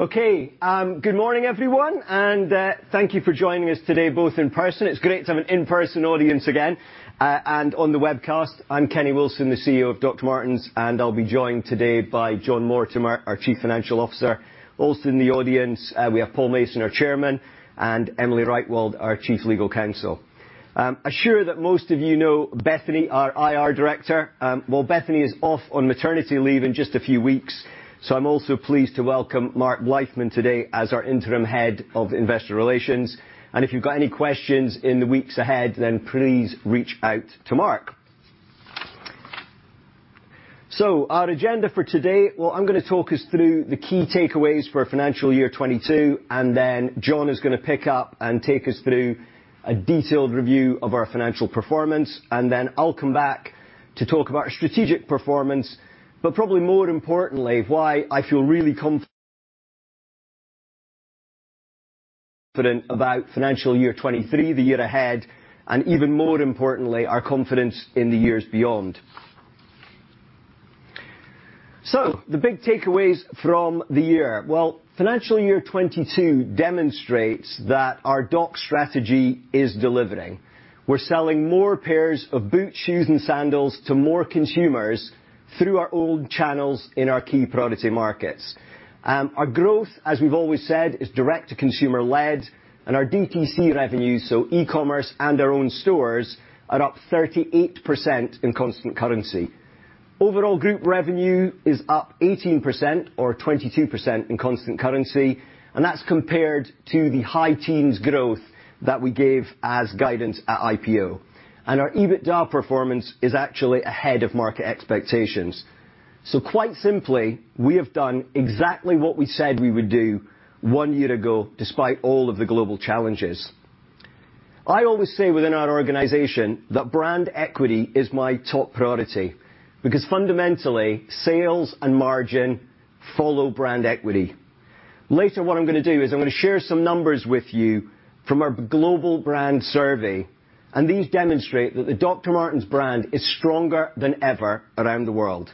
Okay. Good morning, everyone, and thank you for joining us today, both in person, it's great to have an in-person audience again, and on the webcast. I'm Kenny Wilson, the CEO of Dr. Martens, and I'll be joined today by Jon Mortimore, our Chief Financial Officer. Also in the audience, we have Paul Mason, our chairman, and Emily Reichwald, our Chief Legal Counsel. I'm sure that most of you know Bethany, our IR director. Well, Bethany is off on maternity leave in just a few weeks, so I'm also pleased to welcome Mark Blythman today as our Interim Head of Investor Relations. If you've got any questions in the weeks ahead, then please reach out to Mark. Our agenda for today, well, I'm gonna talk us through the key takeaways for financial year 2022, and then Jon is gonna pick up and take us through a detailed review of our financial performance. Then I'll come back to talk about strategic performance, but probably more importantly, why I feel really confident about financial year 2023, the year ahead, and even more importantly, our confidence in the years beyond. The big takeaways from the year. Well, financial year 2022 demonstrates that our DOCS strategy is delivering. We're selling more pairs of boots, shoes and sandals to more consumers through our all channels in our key priority markets. Our growth, as we've always said, is direct to consumer-led and our DTC revenues, so e-commerce and our own stores, are up 38% in constant currency. Overall group revenue is up 18% or 22% in constant currency, and that's compared to the high teens growth that we gave as guidance at IPO. Our EBITDA performance is actually ahead of market expectations. Quite simply, we have done exactly what we said we would do one year ago despite all of the global challenges. I always say within our organization that brand equity is my top priority because fundamentally, sales and margin follow brand equity. Later, what I'm gonna do is I'm gonna share some numbers with you from our global brand survey, and these demonstrate that the Dr. Martens brand is stronger than ever around the world.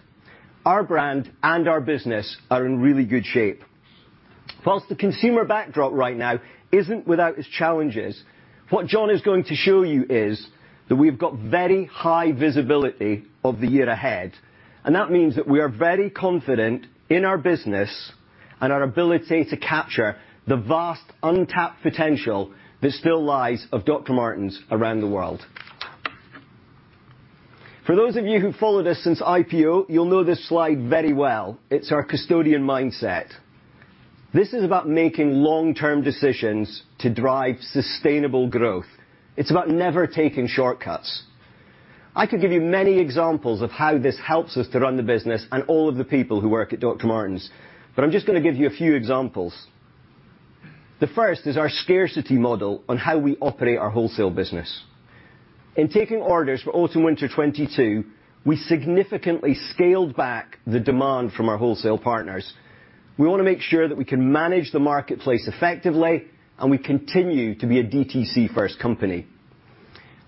Our brand and our business are in really good shape. While the consumer backdrop right now isn't without its challenges, what Jon is going to show you is that we've got very high visibility of the year ahead. That means that we are very confident in our business and our ability to capture the vast untapped potential that still lies in Dr. Martens around the world. For those of you who followed us since IPO, you'll know this slide very well. It's our custodian mindset. This is about making long-term decisions to drive sustainable growth. It's about never taking shortcuts. I could give you many examples of how this helps us to run the business and all of the people who work at Dr. Martens, but I'm just gonna give you a few examples. The first is our scarcity model on how we operate our wholesale business. In taking orders for autumn/winter 2022, we significantly scaled back the demand from our wholesale partners. We wanna make sure that we can manage the marketplace effectively and we continue to be a DTC first company.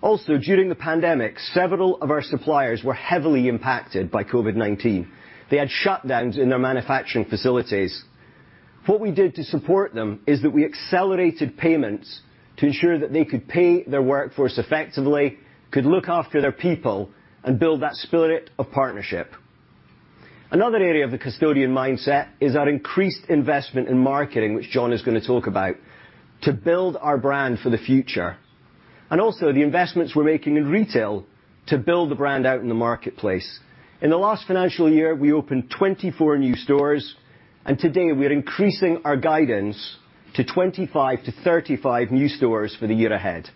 Also, during the pandemic, several of our suppliers were heavily impacted by COVID-19. They had shutdowns in their manufacturing facilities. What we did to support them is that we accelerated payments to ensure that they could pay their workforce effectively, could look after their people and build that spirit of partnership. Another area of the custodian mindset is our increased investment in marketing, which Jon is gonna talk about, to build our brand for the future. Also the investments we're making in retail to build the brand out in the marketplace. In the last financial year, we opened 24 new stores, and today we are increasing our guidance to 25-35 new stores for the year ahead.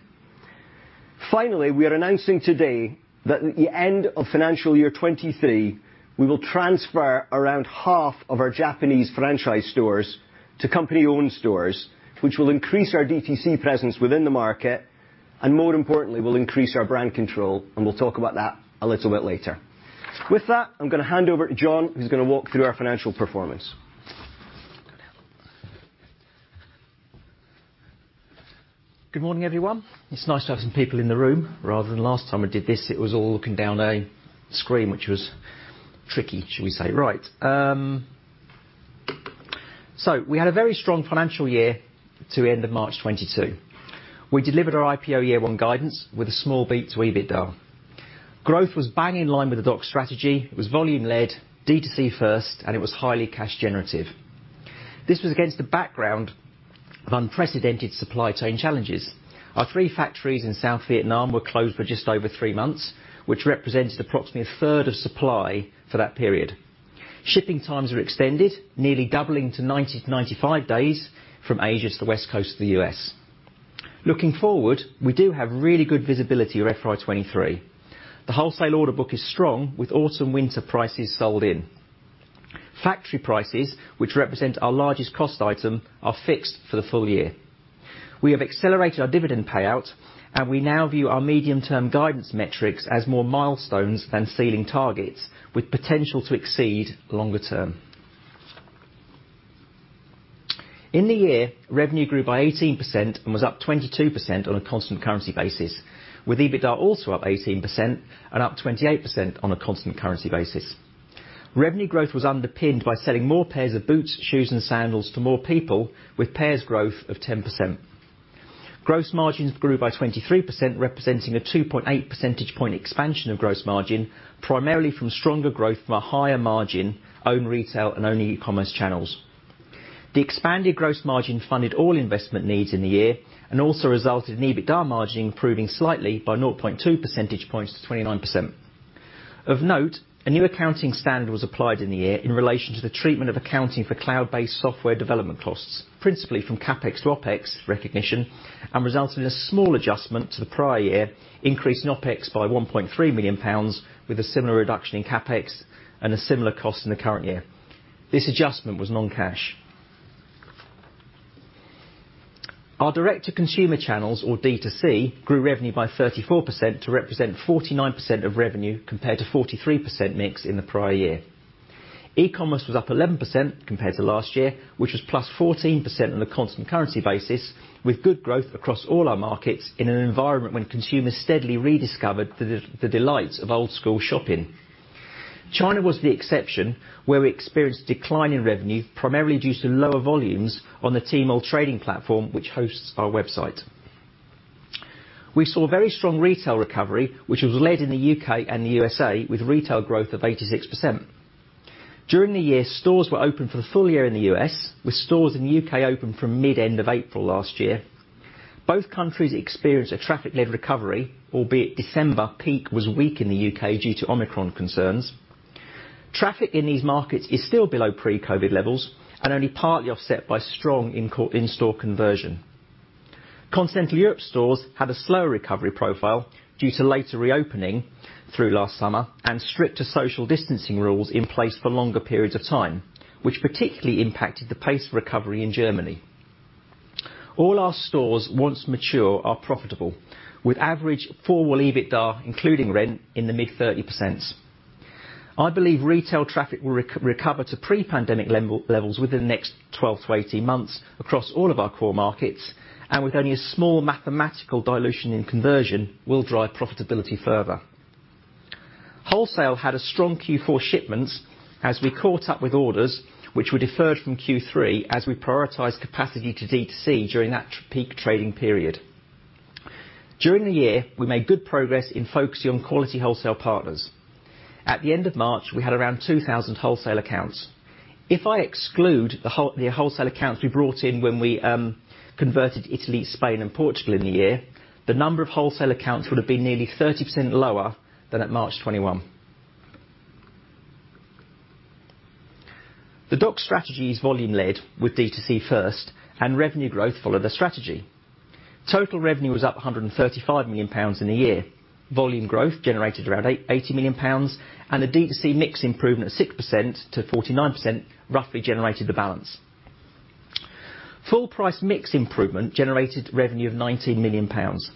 Finally, we are announcing today that at the end of financial year 2023, we will transfer around half of our Japanese franchise stores to company-owned stores, which will increase our DTC presence within the market, and more importantly, will increase our brand control, and we'll talk about that a little bit later. With that, I'm gonna hand over to Jon, who's gonna walk through our financial performance. Good morning, everyone. It's nice to have some people in the room rather than last time I did this it was all looking down a screen, which was tricky, shall we say. Right. We had a very strong financial year to end of March 2022. We delivered our IPO year one guidance with a small beat to EBITDA. Growth was bang in line with the DOCS strategy. It was volume-led, DTC first, and it was highly cash generative. This was against the background of unprecedented supply chain challenges. Our three factories in South Vietnam were closed for just over three months, which represents approximately a third of supply for that period. Shipping times are extended, nearly doubling to 90-95 days from Asia to the West Coast of the U.S. Looking forward, we do have really good visibility for FY 2023. The wholesale order book is strong with autumn/winter prices sold in. Factory prices, which represent our largest cost item, are fixed for the full year. We have accelerated our dividend payout, and we now view our medium-term guidance metrics as more milestones than ceiling targets with potential to exceed longer term. In the year, revenue grew by 18% and was up 22% on a constant currency basis, with EBITDA also up 18% and up 28% on a constant currency basis. Revenue growth was underpinned by selling more pairs of boots, shoes and sandals to more people with pairs growth of 10%. Gross margins grew by 23%, representing a 2.8 percentage point expansion of gross margin, primarily from stronger growth from a higher margin owned retail and owned e-commerce channels. The expanded gross margin funded all investment needs in the year and also resulted in EBITDA margin improving slightly by 0.2 percentage points to 29%. Of note, a new accounting standard was applied in the year in relation to the treatment of accounting for cloud-based software development costs, principally from CapEx to OpEx recognition, and resulted in a small adjustment to the prior year increase in OpEx by 1.3 million pounds, with a similar reduction in CapEx and a similar cost in the current year. This adjustment was non-cash. Our direct to consumer channels, or D2C, grew revenue by 34% to represent 49% of revenue compared to 43% mix in the prior year. E-commerce was up 11% compared to last year, which was +14% on a constant currency basis with good growth across all our markets in an environment when consumers steadily rediscovered the delights of old school shopping. China was the exception where we experienced decline in revenue, primarily due to lower volumes on the Tmall trading platform which hosts our website. We saw very strong retail recovery, which was led in the U.K. and the USA with retail growth of 86%. During the year, stores were open for the full year in the U.S., with stores in the U.K. open from mid- to end of April last year. Both countries experienced a traffic-led recovery, albeit December peak was weak in the U.K. due to Omicron concerns. Traffic in these markets is still below pre-COVID levels and only partly offset by strong in-store conversion. Continental Europe stores had a slower recovery profile due to later reopening through last summer and stricter social distancing rules in place for longer periods of time, which particularly impacted the pace of recovery in Germany. All our stores, once mature, are profitable, with average full-year EBITDA, including rent in the mid-30%. I believe retail traffic will recover to pre-pandemic levels within the next 12-18 months across all of our core markets, and with only a small mathematical dilution in conversion will drive profitability further. Wholesale had a strong Q4 shipments as we caught up with orders which were deferred from Q3 as we prioritize capacity to D2C during that peak trading period. During the year, we made good progress in focusing on quality wholesale partners. At the end of March, we had around 2,000 wholesale accounts. If I exclude the wholesale accounts we brought in when we converted Italy, Spain and Portugal in the year, the number of wholesale accounts would have been nearly 30% lower than at March 2021. The D2C strategy is volume led with D2C first, and revenue growth followed the strategy. Total revenue was up 135 million pounds in the year. Volume growth generated around 80 million pounds and a D2C mix improvement of 6%-49% roughly generated the balance. Full price mix improvement generated revenue of 19 million pounds.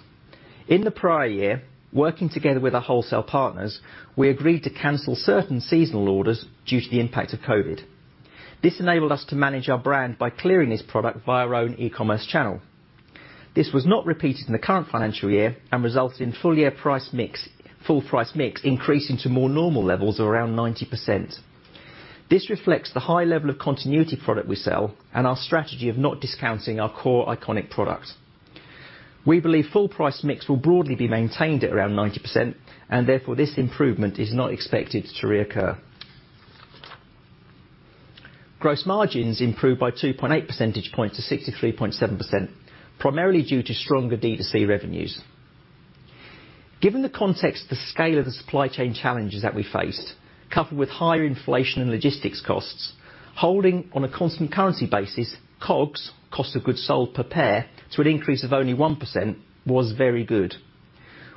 In the prior year, working together with our wholesale partners, we agreed to cancel certain seasonal orders due to the impact of COVID. This enabled us to manage our brand by clearing this product via our own e-commerce channel. This was not repeated in the current financial year and resulted in full price mix increasing to more normal levels of around 90%. This reflects the high level of continuity product we sell and our strategy of not discounting our core iconic product. We believe full price mix will broadly be maintained at around 90% and therefore this improvement is not expected to reoccur. Gross margins improved by 2.8 percentage points to 63.7%, primarily due to stronger D2C revenues. Given the context, the scale of the supply chain challenges that we face, coupled with higher inflation and logistics costs, holding on a constant currency basis, COGS, cost of goods sold per pair to an increase of only 1% was very good.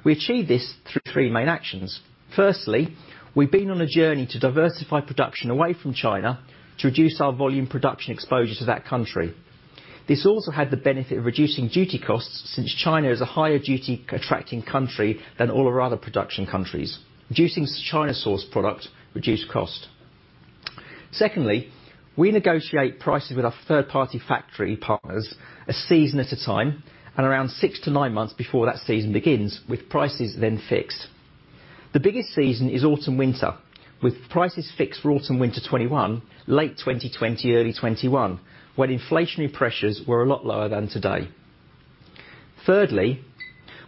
We achieved this through three main actions. Firstly, we've been on a journey to diversify production away from China to reduce our volume production exposure to that country. This also had the benefit of reducing duty costs since China is a higher duty attracting country than all of our other production countries. Reducing China-sourced product reduced cost. Secondly, we negotiate prices with our third-party factory partners a season at a time and around six-nine months before that season begins, with prices then fixed. The biggest season is autumn/winter, with prices fixed for autumn/winter 2021, late 2020, early 2021, when inflationary pressures were a lot lower than today. Thirdly,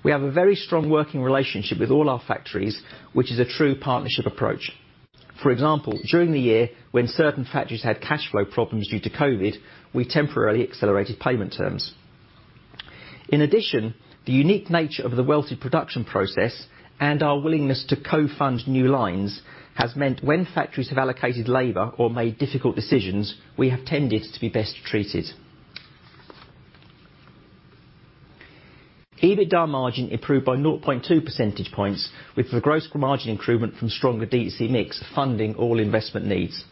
we have a very strong working relationship with all our factories, which is a true partnership approach. For example, during the year when certain factories had cash flow problems due to COVID, we temporarily accelerated payment terms. The unique nature of the Welted production process and our willingness to co-fund new lines has meant when factories have allocated labor or made difficult decisions, we have tended to be best treated. EBITDA margin improved by 0.2 percentage points, with the gross margin improvement from stronger D2C mix funding all investment needs.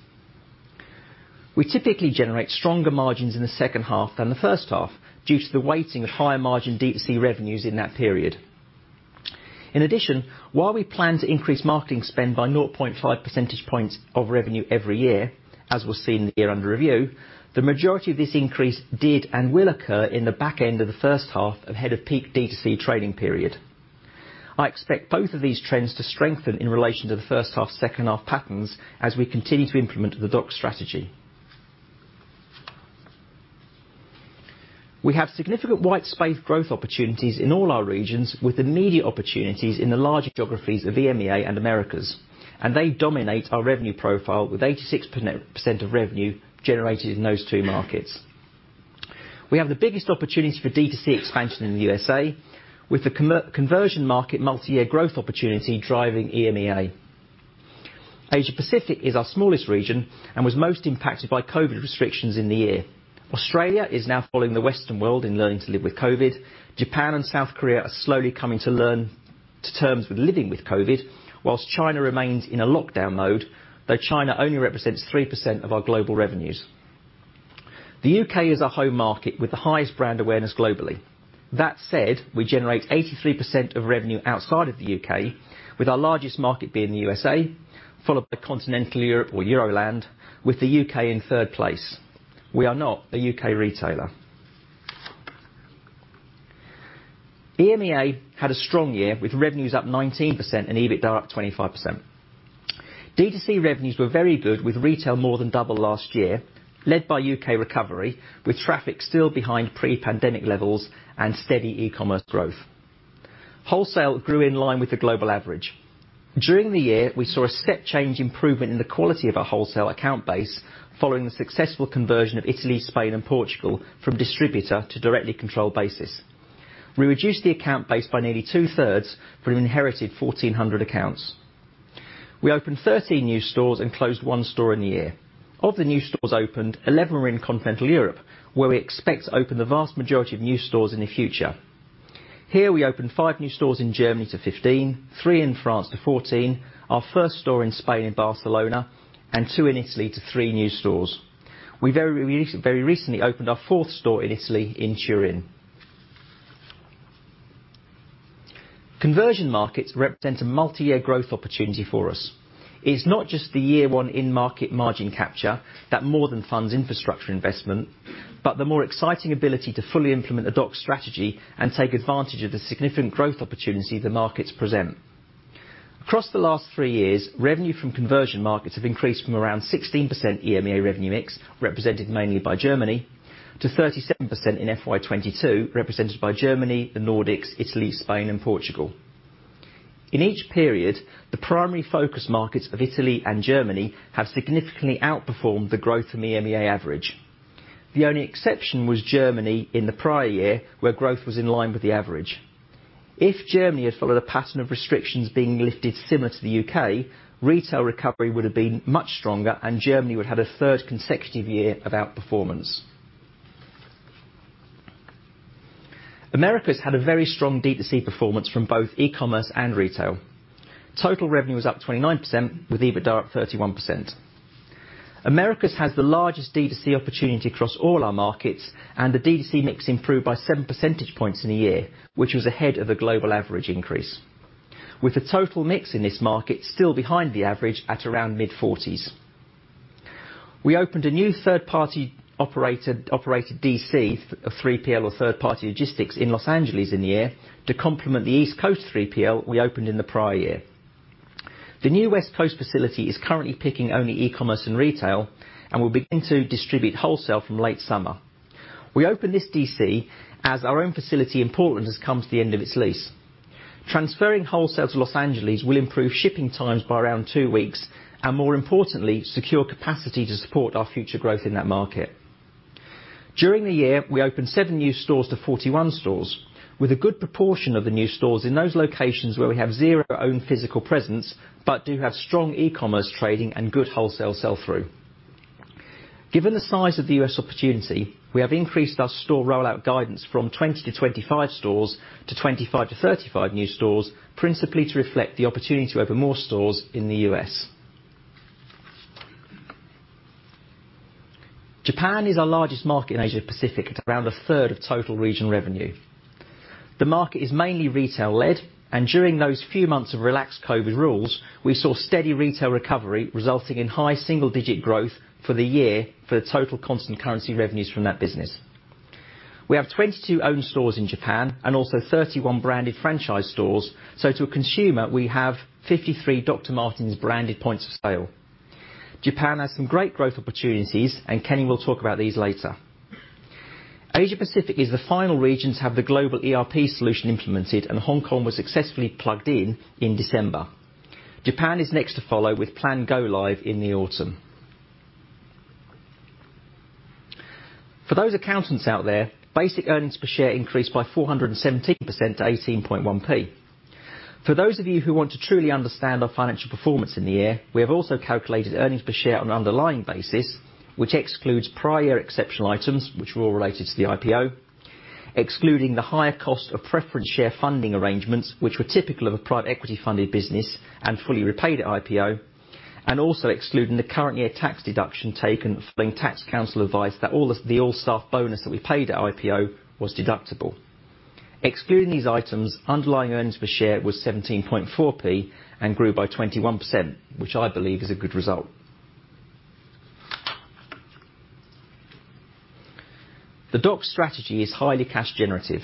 We typically generate stronger margins in the second half than the first half due to the weighting of higher margin D2C revenues in that period. While we plan to increase marketing spend by 0.5 percentage points of revenue every year, as was seen in the year under review, the majority of this increase did and will occur in the back end of the first half ahead of peak D2C trading period. I expect both of these trends to strengthen in relation to the first half, second half patterns as we continue to implement the DOCS strategy. We have significant white space growth opportunities in all our regions with immediate opportunities in the larger geographies of EMEA and Americas, and they dominate our revenue profile with 86% of revenue generated in those two markets. We have the biggest opportunity for D2C expansion in the USA with the e-commerce conversion market multi-year growth opportunity driving EMEA. Asia Pacific is our smallest region and was most impacted by COVID restrictions in the year. Australia is now following the Western world in learning to live with COVID. Japan and South Korea are slowly coming to terms with living with COVID, while China remains in a lockdown mode, though China only represents 3% of our global revenues. The U.K. Is our home market with the highest brand awareness globally. That said, we generate 83% of revenue outside of the U.K., with our largest market being the USA, followed by Continental Europe or Euroland, with the U.K. in third place. We are not a U.K. retailer. EMEA had a strong year with revenues up 19% and EBITDA up 25%. D2C revenues were very good with retail more than double last year, led by U.K. recovery, with traffic still behind pre-pandemic levels and steady e-commerce growth. Wholesale grew in line with the global average. During the year, we saw a step change improvement in the quality of our wholesale account base following the successful conversion of Italy, Spain, and Portugal from distributor to directly controlled basis. We reduced the account base by nearly two-thirds from an inherited 1,400 accounts. We opened 13 new stores and closed one store in the year. Of the new stores opened, 11 were in Continental Europe, where we expect to open the vast majority of new stores in the future. Here we opened five new stores in Germany to 15, three in France to 14, our first store in Spain in Barcelona, and two in Italy to three new stores. We very recently opened our fourth store in Italy in Turin. Conversion markets represent a multi-year growth opportunity for us. It's not just the year one in-market margin capture that more than funds infrastructure investment, but the more exciting ability to fully implement a DOCS strategy and take advantage of the significant growth opportunity the markets present. Across the last three years, revenue from conversion markets have increased from around 16% EMEA revenue mix, represented mainly by Germany, to 37% in FY 2022, represented by Germany, the Nordics, Italy, Spain, and Portugal. In each period, the primary focus markets of Italy and Germany have significantly outperformed the growth of EMEA average. The only exception was Germany in the prior year, where growth was in line with the average. If Germany had followed a pattern of restrictions being lifted similar to the U.K., retail recovery would have been much stronger and Germany would have had a third consecutive year of outperformance. Americas had a very strong D2C performance from both e-commerce and retail. Total revenue was up 29% with EBITDA up 31%. Americas has the largest D2C opportunity across all our markets, and the D2C mix improved by 7 percentage points in a year, which was ahead of the global average increase, with the total mix in this market still behind the average at around mid-40s. We opened a new third-party-operated DC, a 3PL or third-party logistics in Los Angeles in the year to complement the East Coast 3PL we opened in the prior year. The new West Coast facility is currently picking only e-commerce and retail and will begin to distribute wholesale from late summer. We opened this DC as our own facility in Portland has come to the end of its lease. Transferring wholesale to Los Angeles will improve shipping times by around two weeks and, more importantly, secure capacity to support our future growth in that market. During the year, we opened seven new stores to 41 stores, with a good proportion of the new stores in those locations where we have zero own physical presence, but do have strong e-commerce trading and good wholesale sell-through. Given the size of the U.S. opportunity, we have increased our store rollout guidance from 20-25 stores to 25-35 new stores, principally to reflect the opportunity to open more stores in the U.S. Japan is our largest market in Asia Pacific at around a third of total region revenue. The market is mainly retail led, and during those few months of relaxed COVID rules, we saw steady retail recovery resulting in high single-digit growth for the year for the total constant currency revenues from that business. We have 22 owned stores in Japan and also 31 branded franchise stores. To a consumer, we have 53 Dr. Martens branded points of sale. Japan has some great growth opportunities, and Kenny will talk about these later. Asia Pacific is the final region to have the global ERP solution implemented, and Hong Kong was successfully plugged in in December. Japan is next to follow with planned go live in the autumn. For those accountants out there, basic earnings per share increased by 417% to 18.1. For those of you who want to truly understand our financial performance in the year, we have also calculated earnings per share on an underlying basis, which excludes prior exceptional items which were all related to the IPO, excluding the higher cost of preference share funding arrangements which were typical of a private equity funded business and fully repaid at IPO. Also excluding the current year tax deduction taken following tax counsel advice that all staff bonus that we paid at IPO was deductible. Excluding these items, underlying earnings per share was 17.4p and grew by 21%, which I believe is a good result. The DOCS strategy is highly cash generative,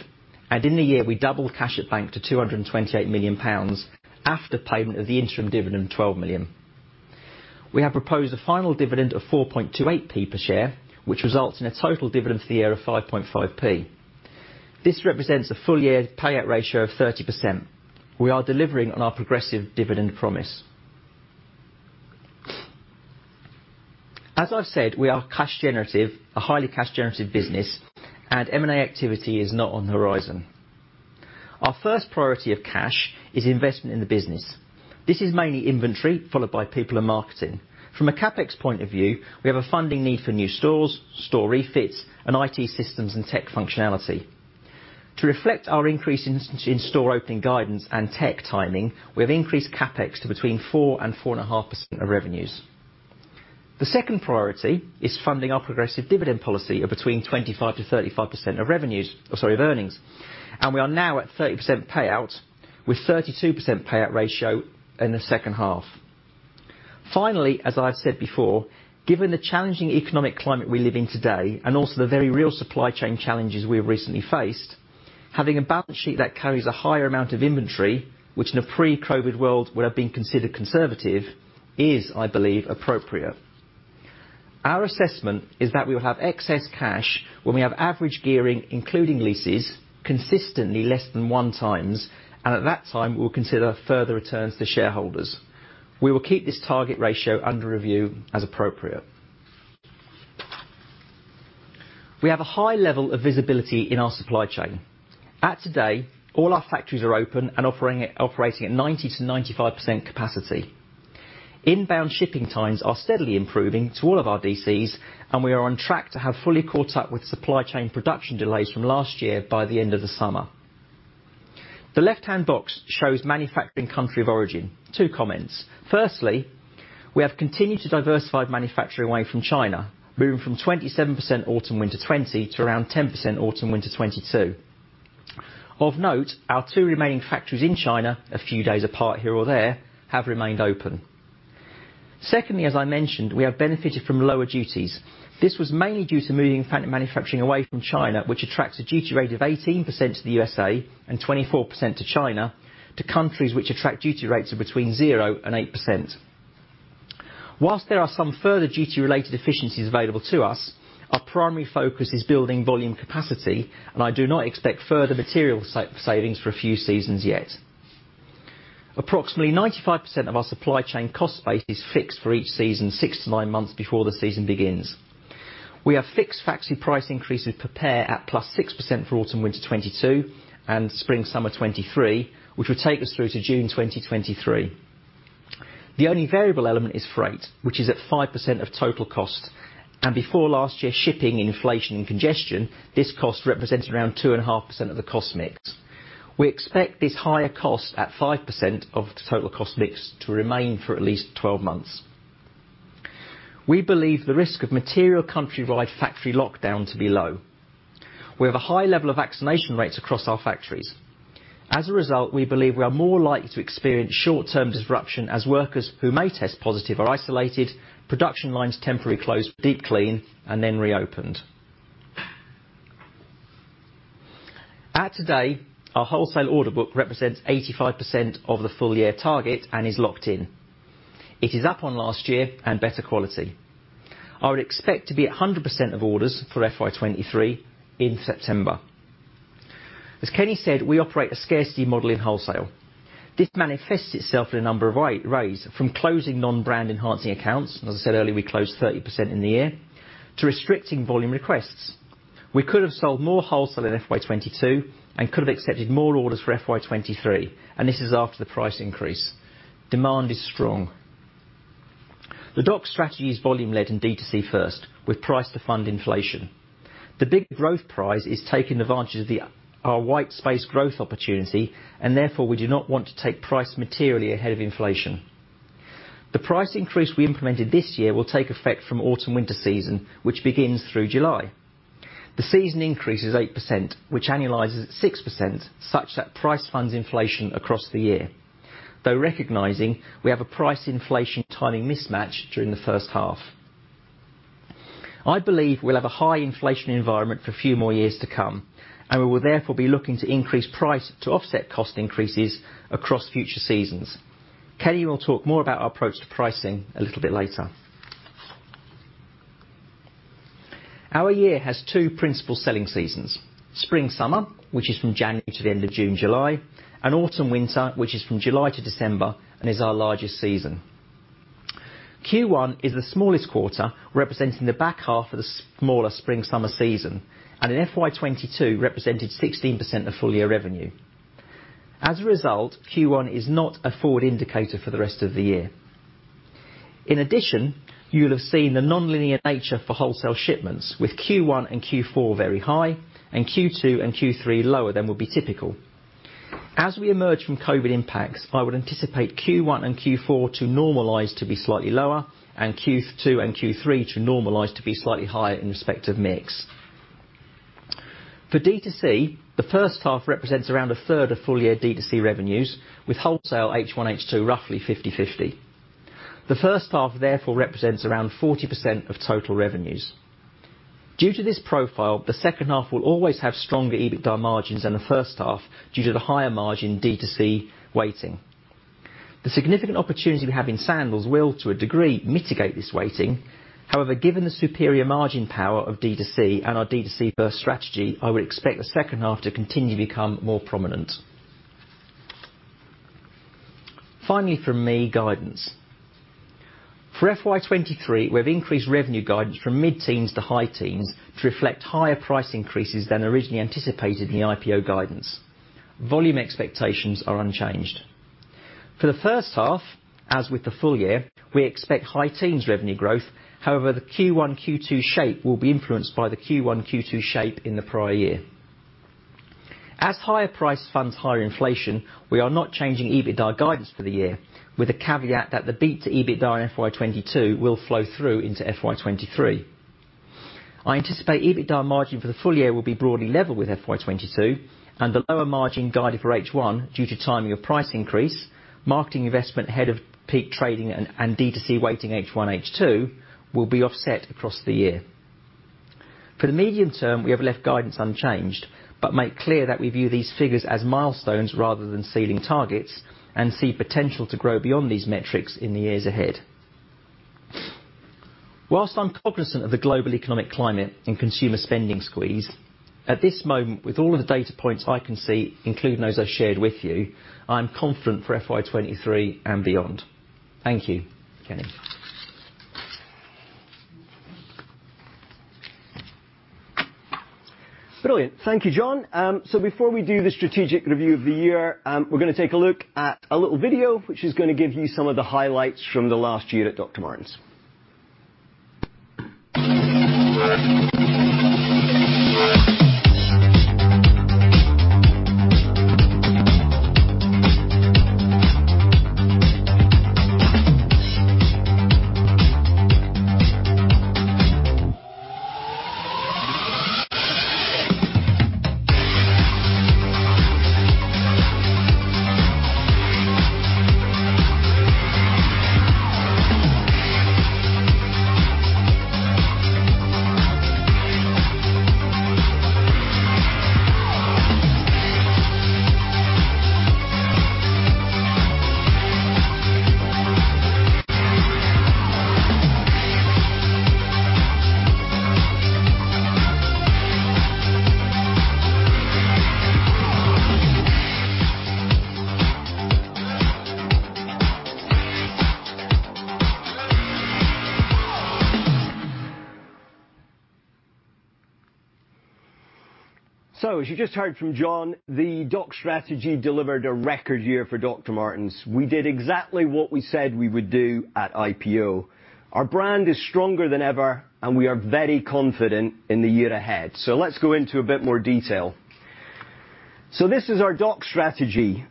and in the year, we doubled cash at bank to 228 million pounds after payment of the interim dividend, 12 million. We have proposed a final dividend of 4.28 per share, which results in a total dividend for the year of 5.5. This represents a full year payout ratio of 30%. We are delivering on our progressive dividend promise. As I've said, we are cash generative, a highly cash generative business, and M&A activity is not on the horizon. Our first priority of cash is investment in the business. This is mainly inventory, followed by people and marketing. From a CapEx point of view, we have a funding need for new stores, store refits, and IT systems and tech functionality. To reflect our increase in store opening guidance and tech timing, we have increased CapEx to between 4% and 4.5% of revenues. The second priority is funding our progressive dividend policy of between 25%-35% of revenues or sorry, of earnings. We are now at 30% payout with 32% payout ratio in the second half. Finally, as I've said before, given the challenging economic climate we live in today and also the very real supply chain challenges we have recently faced, having a balance sheet that carries a higher amount of inventory, which in a pre-COVID world would have been considered conservative, is, I believe, appropriate. Our assessment is that we will have excess cash when we have average gearing, including leases, consistently less than one times, and at that time, we'll consider further returns to shareholders. We will keep this target ratio under review as appropriate. We have a high level of visibility in our supply chain. As of today, all our factories are open and operating at 90%-95% capacity. Inbound shipping times are steadily improving to all of our DCs, and we are on track to have fully caught up with supply chain production delays from last year by the end of the summer. The left-hand box shows manufacturing country of origin. Two comments. Firstly, we have continued to diversify manufacturing away from China, moving from 27% autumn/winter 2020 to around 10% autumn/winter 2022. Of note, our two remaining factories in China, a few days apart here or there, have remained open. Secondly, as I mentioned, we have benefited from lower duties. This was mainly due to moving manufacturing away from China, which attracts a duty rate of 18% to the USA and 24% to China, to countries which attract duty rates of between 0%-8%. While there are some further duty-related efficiencies available to us, our primary focus is building volume capacity, and I do not expect further material savings for a few seasons yet. Approximately 95% of our supply chain cost base is fixed for each season, six-nine months before the season begins. We have fixed factory price increases per pair at +6% for autumn/winter 2022 and spring/summer 2023, which will take us through to June 2023. The only variable element is freight, which is at 5% of total cost. Before last year's shipping inflation and congestion, this cost represented around 2.5% of the cost mix. We expect this higher cost at 5% of the total cost mix to remain for at least 12 months. We believe the risk of material countrywide factory lockdown to be low. We have a high level of vaccination rates across our factories. As a result, we believe we are more likely to experience short-term disruption as workers who may test positive are isolated, production lines temporarily closed for deep clean and then reopened. As of today, our wholesale order book represents 85% of the full year target and is locked in. It is up on last year and better quality. I would expect to be at 100% of orders for FY 2023 in September. As Kenny said, we operate a scarcity model in wholesale. This manifests itself in a number of ways from closing non-brand enhancing accounts, as I said earlier, we closed 30% in the year, to restricting volume requests. We could have sold more wholesale in FY 2022 and could have accepted more orders for FY 2023, and this is after the price increase. Demand is strong. The DOCS strategy is volume-led and D2C first with price to fund inflation. The big growth prize is taking advantage of our white space growth opportunity, and therefore, we do not want to take price materially ahead of inflation. The price increase we implemented this year will take effect from autumn/winter season, which begins through July. The season increase is 8%, which annualizes at 6%, such that price funds inflation across the year, though recognizing we have a price inflation timing mismatch during the first half. I believe we'll have a high inflation environment for a few more years to come, and we will therefore be looking to increase price to offset cost increases across future seasons. Kenny will talk more about our approach to pricing a little bit later. Our year has two principal selling seasons, spring/summer, which is from January to the end of June, July, and autumn/winter, which is from July to December and is our largest season. Q1 is the smallest quarter, representing the back half of the smaller spring/summer season, and in FY 2022 represented 16% of full-year revenue. As a result, Q1 is not a forward indicator for the rest of the year. In addition, you'll have seen the nonlinear nature for wholesale shipments with Q1 and Q4 very high and Q2 and Q3 lower than would be typical. As we emerge from COVID impacts, I would anticipate Q1 and Q4 to normalize to be slightly lower and Q2 and Q3 to normalize to be slightly higher in respective mix. For D2C, the first half represents around 1/3 of full-year D2C revenues, with wholesale H1, H2 roughly 50/50. The first half therefore represents around 40% of total revenues. Due to this profile, the second half will always have stronger EBITDA margins than the first half due to the higher margin D2C weighting. The significant opportunity we have in sandals will, to a degree, mitigate this weighting. However, given the superior margin power of D2C and our D2C first strategy, I would expect the second half to continue to become more prominent. Finally from me, guidance. For FY 2023, we have increased revenue guidance from mid-teens to high teens to reflect higher price increases than originally anticipated in the IPO guidance. Volume expectations are unchanged. For the first half, as with the full year, we expect high teens revenue growth. However, the Q1, Q2 shape will be influenced by the Q1, Q2 shape in the prior year. As higher price funds higher inflation, we are not changing EBITDA guidance for the year, with the caveat that the beat to EBITDA in FY 2022 will flow through into FY 2023. I anticipate EBITDA margin for the full year will be broadly level with FY 2022 and the lower margin guided for H1 due to timing of price increase, marketing investment ahead of peak trading and D2C weighting H1, H2 will be offset across the year. For the medium term, we have left guidance unchanged, but make clear that we view these figures as milestones rather than ceiling targets and see potential to grow beyond these metrics in the years ahead. While I'm cognizant of the global economic climate and consumer spending squeeze, at this moment, with all of the data points I can see, including those I shared with you, I'm confident for FY 2023 and beyond. Thank you. Kenny? Brilliant. Thank you, Jon. Before we do the strategic review of the year, we're gonna take a look at a little video, which is gonna give you some of the highlights from the last year at Dr. Martens. As you just heard from Jon, the DOCS strategy delivered a record year for Dr. Martens. We did exactly what we said we would do at IPO. Our brand is stronger than ever, and we are very confident in the year ahead. Let's go into a bit more detail. This is our DOCS strategy.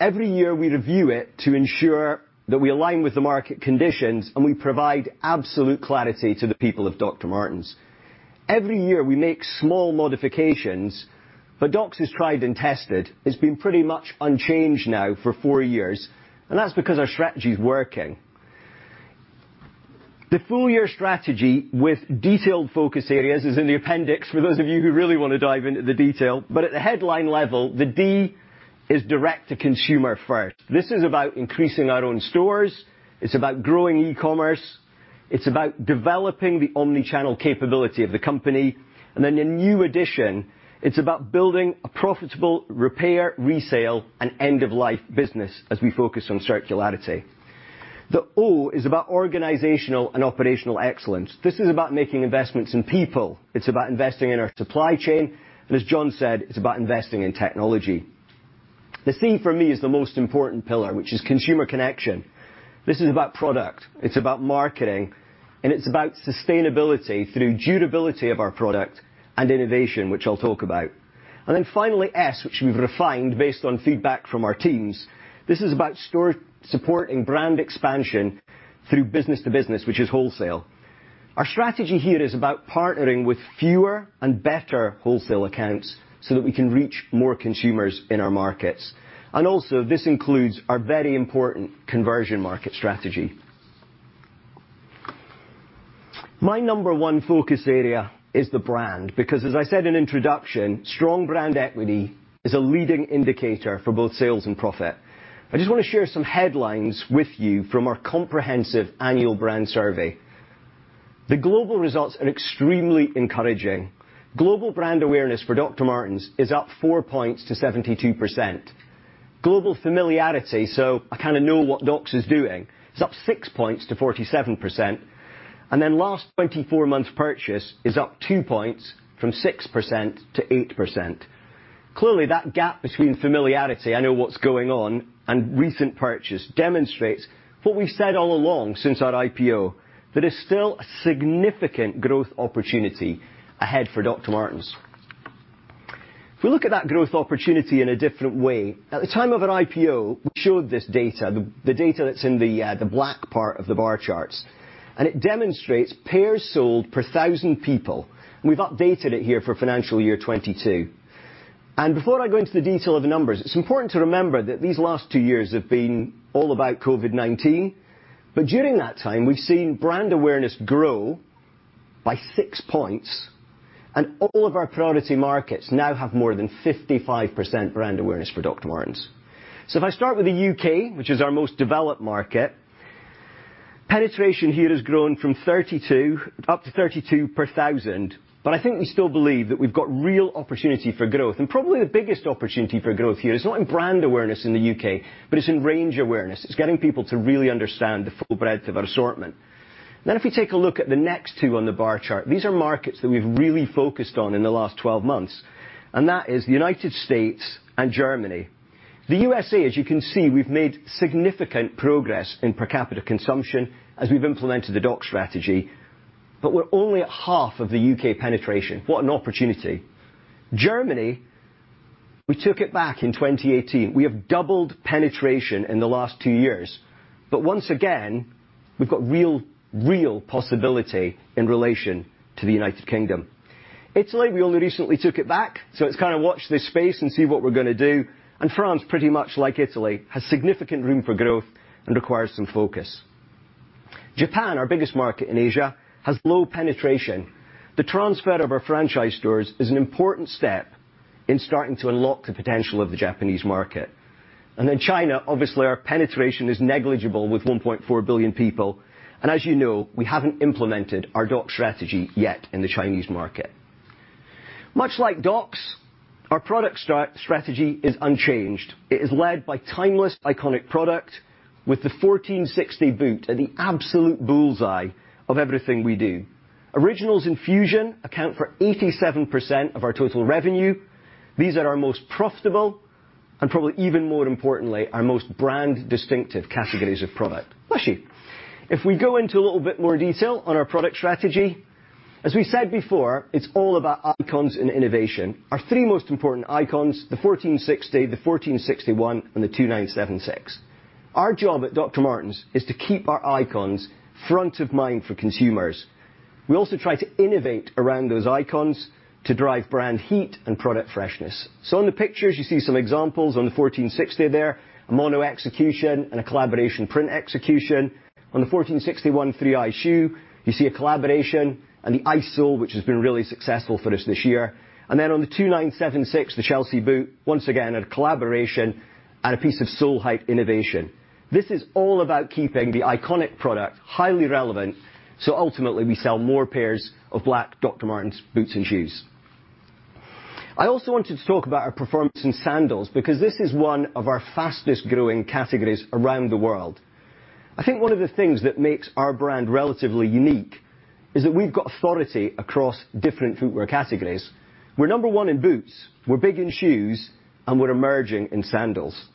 Every year, we review it to ensure that we align with the market conditions, and we provide absolute clarity to the people of Dr. Martens. Every year, we make small modifications, but DOCS is tried and tested. It's been pretty much unchanged now for four years, and that's because our strategy is working. The full year strategy with detailed focus areas is in the appendix for those of you who really wanna dive into the detail. At the headline level, the D is direct to consumer first. This is about increasing our own stores. It's about growing e-commerce. It's about developing the omni-channel capability of the company. Then a new addition, it's about building a profitable repair, resale, and end-of-life business as we focus on circularity. The O is about organizational and operational excellence. This is about making investments in people. It's about investing in our supply chain, and as Jon said, it's about investing in technology. The C for me is the most important pillar, which is consumer connection. This is about product, it's about marketing, and it's about sustainability through durability of our product and innovation, which I'll talk about. Then finally, S, which we've refined based on feedback from our teams. This is about store support and brand expansion through business to business, which is wholesale. Our strategy here is about partnering with fewer and better wholesale accounts so that we can reach more consumers in our markets. Also, this includes our very important conversion market strategy. My number one focus area is the brand because, as I said in introduction, strong brand equity is a leading indicator for both sales and profit. I just wanna share some headlines with you from our comprehensive annual brand survey. The global results are extremely encouraging. Global brand awareness for Dr. Martens is up 4 points to 72%. Global familiarity, so I kinda know what DOCS is doing, is up 6 points to 47%. Last 24 months purchase is up 2 points from 6%-8%. Clearly, that gap between familiarity, I know what's going on, and recent purchase demonstrates what we've said all along since our IPO, that there's still a significant growth opportunity ahead for Dr. Martens. If we look at that growth opportunity in a different way, at the time of our IPO, we showed this data, the data that's in the black part of the bar charts, and it demonstrates pairs sold per 1,000 people. We've updated it here for financial year 2022. Before I go into the detail of the numbers, it's important to remember that these last two years have been all about COVID-19. During that time, we've seen brand awareness grow by 6 points, and all of our priority markets now have more than 55% brand awareness for Dr. Martens. If I start with the U.K., which is our most developed market, penetration here has grown from 32 up to 32 per 1,000. I think we still believe that we've got real opportunity for growth. Probably the biggest opportunity for growth here is not in brand awareness in the U.K., but it's in range awareness. It's getting people to really understand the full breadth of our assortment. If we take a look at the next two on the bar chart, these are markets that we've really focused on in the last 12 months, and that is the United States and Germany. The USA, as you can see, we've made significant progress in per capita consumption as we've implemented the DOCS strategy, but we're only at half of the U.K. penetration. What an opportunity. Germany, we took it back in 2018. We have doubled penetration in the last two years. But once again, we've got real possibility in relation to the United Kingdom. Italy, we only recently took it back, so it's kind of watch this space and see what we're gonna do. France, pretty much like Italy, has significant room for growth and requires some focus. Japan, our biggest market in Asia, has low penetration. The transfer of our franchise stores is an important step in starting to unlock the potential of the Japanese market. China, obviously, our penetration is negligible with 1.4 billion people. As you know, we haven't implemented our DOCS strategy yet in the Chinese market. Much like DOCS, our product strategy is unchanged. It is led by timeless, iconic product with the 1460 boot at the absolute bull's eye of everything we do. Originals and Fusion account for 87% of our total revenue. These are our most profitable, and probably even more importantly, our most brand distinctive categories of product. Bless you. If we go into a little bit more detail on our product strategy, as we said before, it's all about icons and innovation. Our three most important icons, the 1460, the 1461, and the 2976. Our job at Dr. Martens is to keep our icons front of mind for consumers. We also try to innovate around those icons to drive brand heat and product freshness. In the pictures, you see some examples. On the 1460 there, a mono execution and a collaboration print execution. On the 1461 3-Eye shoe, you see a collaboration and the Iced Sole, which has been really successful for us this year. On the 2976, the Chelsea boot, once again, a collaboration and a piece of sole height innovation. This is all about keeping the iconic product highly relevant, so ultimately we sell more pairs of black Dr. Martens boots and shoes. I also wanted to talk about our performance in sandals because this is one of our fastest growing categories around the world. I think one of the things that makes our brand relatively unique is that we've got authority across different footwear categories. We're number one in boots, we're big in shoes, and we're emerging in sandals.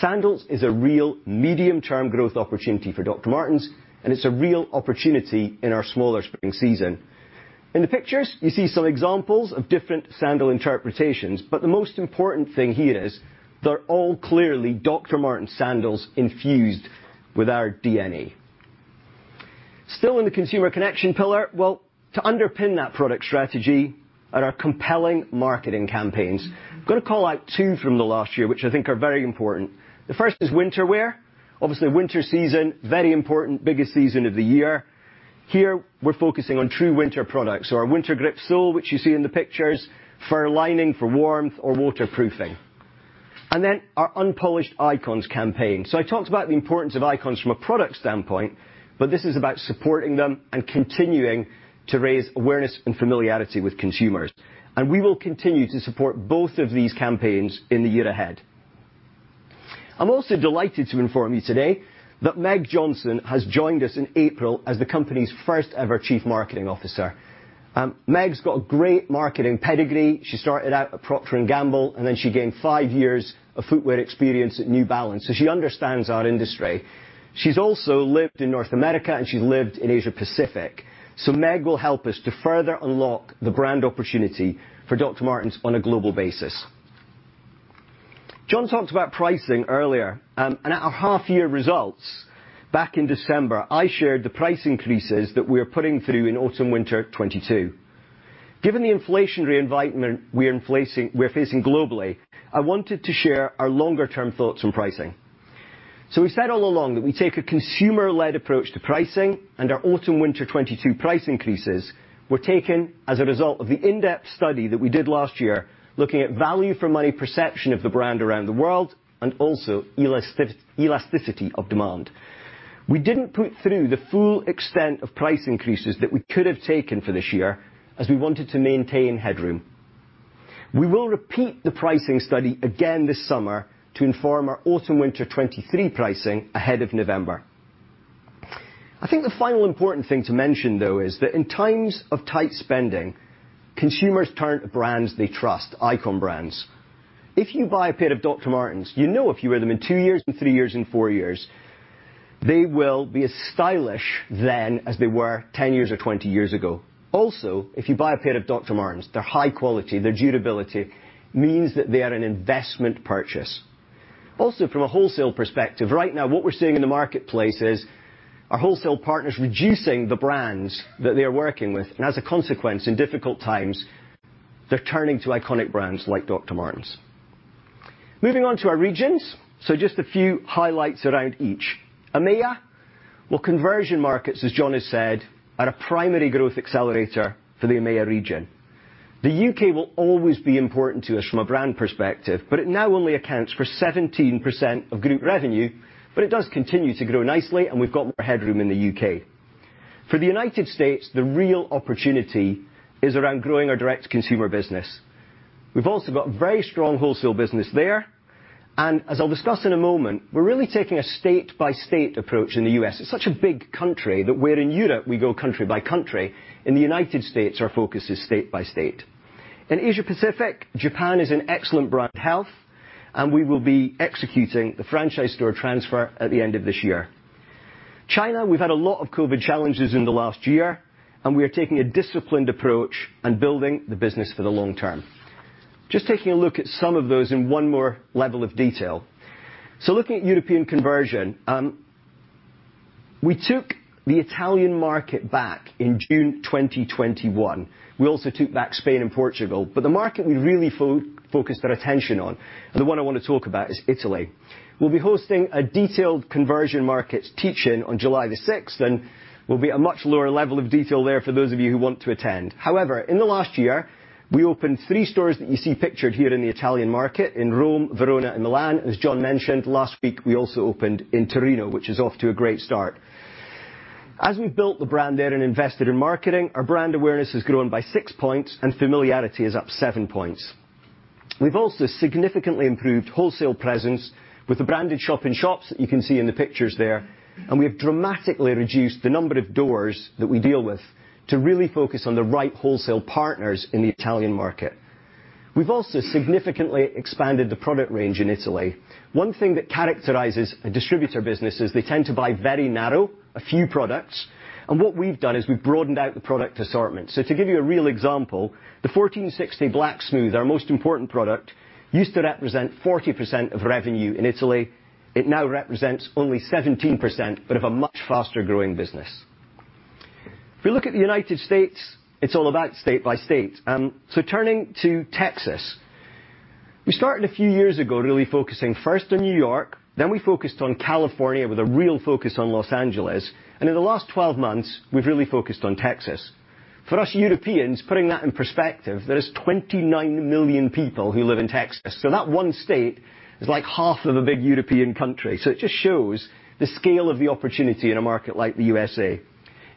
Sandals is a real medium-term growth opportunity for Dr. Martens, and it's a real opportunity in our smaller spring season. In the pictures, you see some examples of different sandal interpretations, but the most important thing here is they're all clearly Dr. Martens sandals infused with our DNA. Still in the consumer connection pillar, well, to underpin that product strategy are our compelling marketing campaigns. Gonna call out two from the last year, which I think are very important. The first is winter wear. Obviously, winter season, very important, biggest season of the year. Here, we're focusing on true winter products. So our WinterGrip sole, which you see in the pictures, fur lining for warmth or waterproofing. Our Unpolished Icons campaign. I talked about the importance of icons from a product standpoint, but this is about supporting them and continuing to raise awareness and familiarity with consumers. We will continue to support both of these campaigns in the year ahead. I'm also delighted to inform you today that Meg Johnson has joined us in April as the company's first ever Chief Marketing Officer. Meg's got a great marketing pedigree. She started out at Procter & Gamble, and then she gained five years of footwear experience at New Balance, so she understands our industry. She's also lived in North America, and she's lived in Asia Pacific. Meg will help us to further unlock the brand opportunity for Dr. Martens on a global basis. Jon talked about pricing earlier, and at our half year results back in December, I shared the price increases that we are putting through in autumn/winter 2022. Given the inflationary environment we're facing globally, I wanted to share our longer term thoughts on pricing. We've said all along that we take a consumer-led approach to pricing, and our autumn/winter 2022 price increases were taken as a result of the in-depth study that we did last year, looking at value for money perception of the brand around the world and also elasticity of demand. We didn't put through the full extent of price increases that we could have taken for this year, as we wanted to maintain headroom. We will repeat the pricing study again this summer to inform our autumn/winter 2023 pricing ahead of November. I think the final important thing to mention, though, is that in times of tight spending, consumers turn to brands they trust, iconic brands. If you buy a pair of Dr. Martens, you know if you wear them in two years, in three years, in four years. They will be as stylish then as they were 10 years or 20 years ago. Also, if you buy a pair of Dr. Martens, they're high quality. Their durability means that they are an investment purchase. Also, from a wholesale perspective, right now, what we're seeing in the marketplace is our wholesale partners reducing the brands that they are working with, and as a consequence, in difficult times, they're turning to iconic brands like Dr. Martens. Moving on to our regions, just a few highlights around each. EMEA, well, conversion markets, as Jon has said, are a primary growth accelerator for the EMEA region. The U.K. will always be important to us from a brand perspective, but it now only accounts for 17% of group revenue, but it does continue to grow nicely, and we've got more headroom in the U.K. For the United States, the real opportunity is around growing our direct consumer business. We've also got a very strong wholesale business there, and as I'll discuss in a moment, we're really taking a state-by-state approach in the U.S. It's such a big country that where in Europe, we go country by country, in the United States, our focus is state by state. In Asia-Pacific, Japan is in excellent brand health, and we will be executing the franchise store transfer at the end of this year. China, we've had a lot of COVID challenges in the last year, and we are taking a disciplined approach and building the business for the long term. Just taking a look at some of those in one more level of detail. Looking at European conversion, we took the Italian market back in June 2021. We also took back Spain and Portugal, but the market we really focused our attention on, and the one I wanna talk about is Italy. We'll be hosting a detailed conversion markets teach-in on July 6, and will be a much lower level of detail there for those of you who want to attend. However, in the last year, we opened three stores that you see pictured here in the Italian market in Rome, Verona, and Milan. As Jon mentioned, last week, we also opened in Torino, which is off to a great start. As we built the brand there and invested in marketing, our brand awareness has grown by 6 points, and familiarity is up 7 points. We've also significantly improved wholesale presence with the branded shop in shops that you can see in the pictures there, and we have dramatically reduced the number of doors that we deal with to really focus on the right wholesale partners in the Italian market. We've also significantly expanded the product range in Italy. One thing that characterizes a distributor business is they tend to buy very narrow, a few products, and what we've done is we've broadened out the product assortment. To give you a real example, the 1460 Black Smooth, our most important product, used to represent 40% of revenue in Italy. It now represents only 17% but of a much faster-growing business. If you look at the United States, it's all about state by state. Turning to Texas, we started a few years ago really focusing first on New York, then we focused on California with a real focus on Los Angeles, and in the last 12 months, we've really focused on Texas. For us Europeans, putting that in perspective, there is 29 million people who live in Texas. That one state is like half of a big European country. It just shows the scale of the opportunity in a market like the USA.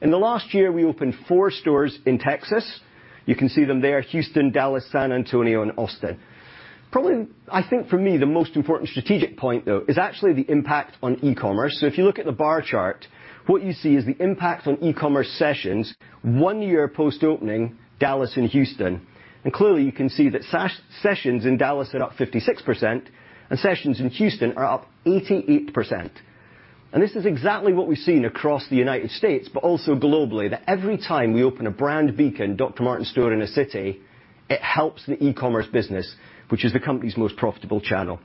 In the last year, we opened four stores in Texas. You can see them there, Houston, Dallas, San Antonio, and Austin. Probably, I think for me, the most important strategic point, though, is actually the impact on e-commerce. If you look at the bar chart, what you see is the impact on e-commerce sessions one year post-opening Dallas and Houston. Clearly, you can see that sessions in Dallas are up 56% and sessions in Houston are up 88%. This is exactly what we've seen across the United States but also globally, that every time we open a brand beacon Dr. Martens store in a city, it helps the e-commerce business, which is the company's most profitable channel.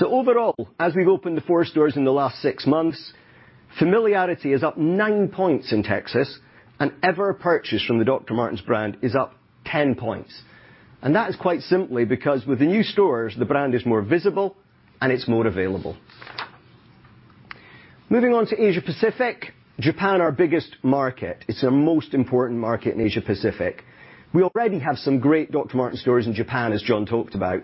Overall, as we've opened the four stores in the last six months, familiarity is up 9 points in Texas, and ever purchase from the Dr. Martens brand is up 10 points. That is quite simply because with the new stores, the brand is more visible, and it's more available. Moving on to Asia-Pacific, Japan, our biggest market. It's our most important market in Asia-Pacific. We already have some great Dr. Martens stores in Japan, as Jon talked about,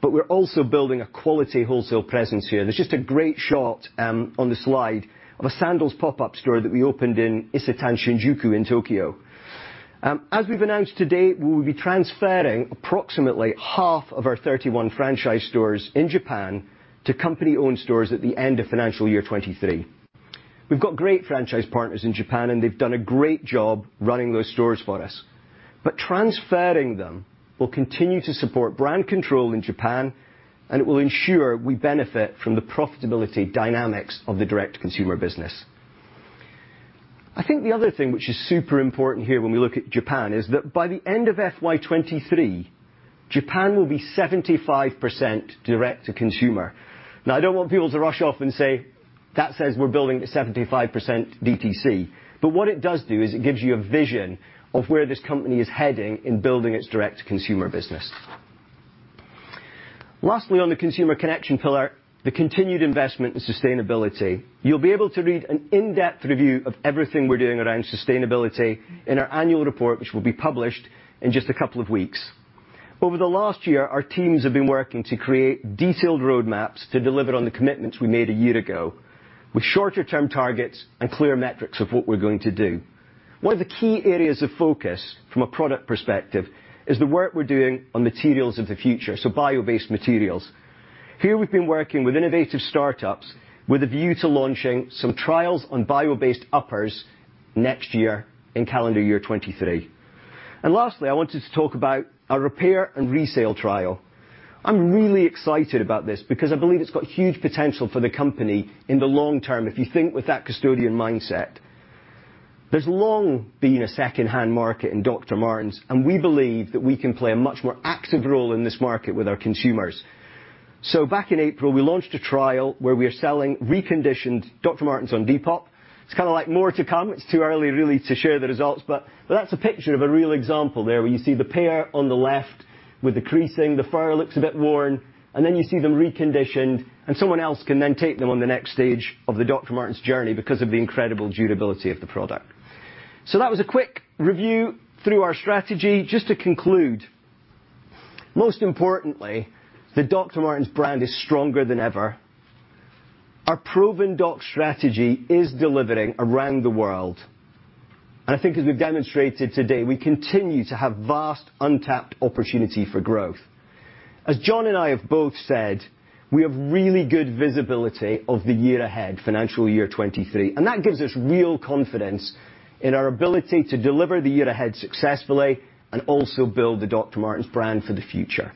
but we're also building a quality wholesale presence here. There's just a great shot on the slide of a sandals pop-up store that we opened in Isetan Shinjuku in Tokyo. As we've announced today, we will be transferring approximately half of our 31 franchise stores in Japan to company-owned stores at the end of financial year 2023. We've got great franchise partners in Japan, and they've done a great job running those stores for us. Transferring them will continue to support brand control in Japan, and it will ensure we benefit from the profitability dynamics of the direct-to-consumer business. I think the other thing which is super important here when we look at Japan is that by the end of FY 2023, Japan will be 75% direct to consumer. Now, I don't want people to rush off and say, "That says we're building 75% DTC." What it does do is it gives you a vision of where this company is heading in building its direct-to-consumer business. Lastly, on the consumer connection pillar, the continued investment in sustainability. You'll be able to read an in-depth review of everything we're doing around sustainability in our annual report, which will be published in just a couple of weeks. Over the last year, our teams have been working to create detailed road maps to deliver on the commitments we made a year ago with shorter-term targets and clear metrics of what we're going to do. One of the key areas of focus from a product perspective is the work we're doing on materials of the future, so bio-based materials. Here, we've been working with innovative startups with a view to launching some trials on bio-based uppers next year in calendar year 2023. Lastly, I wanted to talk about our repair and resale trial. I'm really excited about this because I believe it's got huge potential for the company in the long term if you think with that custodian mindset. There's long been a secondhand market in Dr. Martens, and we believe that we can play a much more active role in this market with our consumers. Back in April, we launched a trial where we are selling reconditioned Dr. Martens on Depop. It's kinda like more to come. It's too early really to share the results, but that's a picture of a real example there, where you see the pair on the left with the creasing. The fur looks a bit worn. Then you see them reconditioned, and someone else can then take them on the next stage of the Dr. Martens journey because of the incredible durability of the product. That was a quick review through our strategy. Just to conclude, most importantly, the Dr. Martens brand is stronger than ever. Our proven DOCS strategy is delivering around the world. I think as we've demonstrated today, we continue to have vast untapped opportunity for growth. As Jon and I have both said, we have really good visibility of the year ahead, financial year 2023, and that gives us real confidence in our ability to deliver the year ahead successfully and also build the Dr. Martens brand for the future.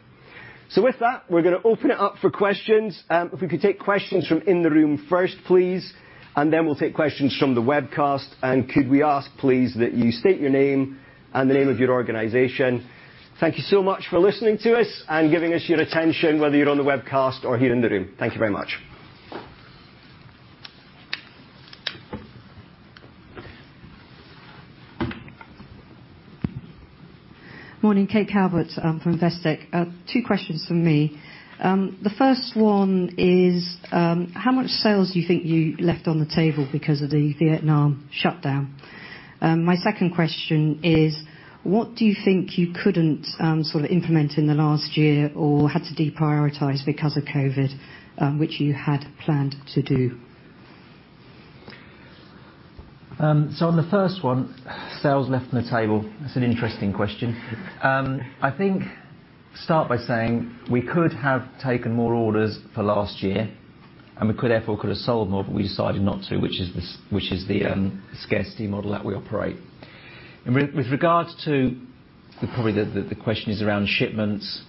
With that, we're gonna open it up for questions. If we could take questions from the room first, please, and then we'll take questions from the webcast. Could we ask, please, that you state your name and the name of your organization. Thank you so much for listening to us and giving us your attention, whether you're on the webcast or here in the room. Thank you very much. Morning. Kate Calvert. I'm from Investec. Two questions from me. The first one is, how much sales do you think you left on the table because of the Vietnam shutdown? My second question is, what do you think you couldn't sort of implement in the last year or had to deprioritize because of COVID, which you had planned to do? On the first one, sales left on the table, that's an interesting question. I think start by saying we could have taken more orders for last year, and we could, therefore, have sold more, but we decided not to, which is the scarcity model that we operate. With regards to, probably the question is around shipments.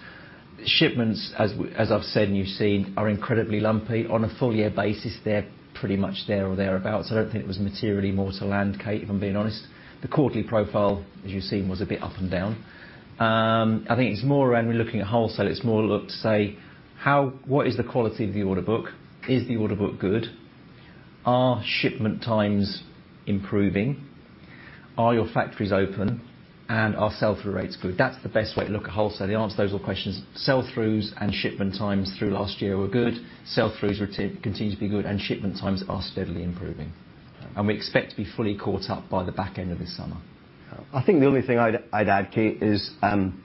Shipments, as I've said and you've seen, are incredibly lumpy. On a full year basis, they're pretty much there or thereabout, so I don't think it was materially more to land, Kate, if I'm being honest. The quarterly profile, as you've seen, was a bit up and down. I think it's more around we're looking at wholesale. It's more look to say what is the quality of the order book? Is the order book good? Are shipment times improving? Are your factories open, and are sell-through rates good? That's the best way to look at wholesale, to answer those sort of questions. Sell-throughs and shipment times through last year were good. Sell-throughs were to continue to be good, and shipment times are steadily improving. We expect to be fully caught up by the back end of this summer. I think the only thing I'd add, Kate, is I don't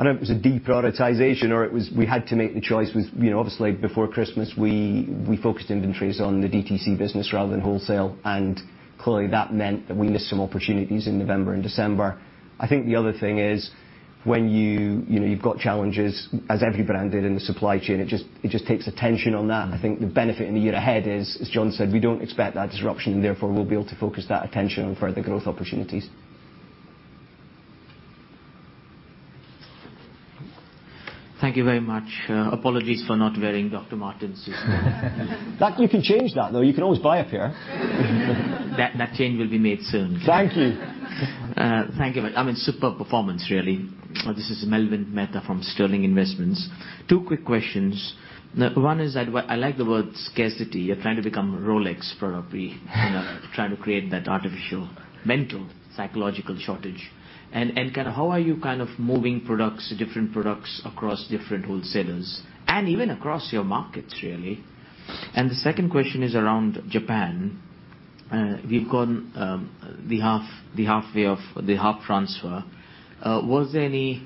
know if it was a deprioritization or it was we had to make the choice with, you know, obviously, before Christmas, we focused inventories on the DTC business rather than wholesale, and clearly that meant that we missed some opportunities in November and December. I think the other thing is when you know, you've got challenges, as every brand did in the supply chain, it just takes attention on that. I think the benefit in the year ahead is, as Jon said, we don't expect that disruption, and therefore, we'll be able to focus that attention on further growth opportunities. Thank you very much. Apologies for not wearing Dr. Martens. That, you can change that, though. You can always buy a pair. That change will be made soon. Thank you. Thank you. I mean, super performance, really. This is Melwin Mehta from Sterling Investment Management. Two quick questions. One is I like the word scarcity. You're trying to become Rolex probably. You know, trying to create that artificial mental psychological shortage. Kinda how are you kind of moving products, different products across different wholesalers, and even across your markets really? The second question is around Japan. We've gone halfway through the half transfer. Was there any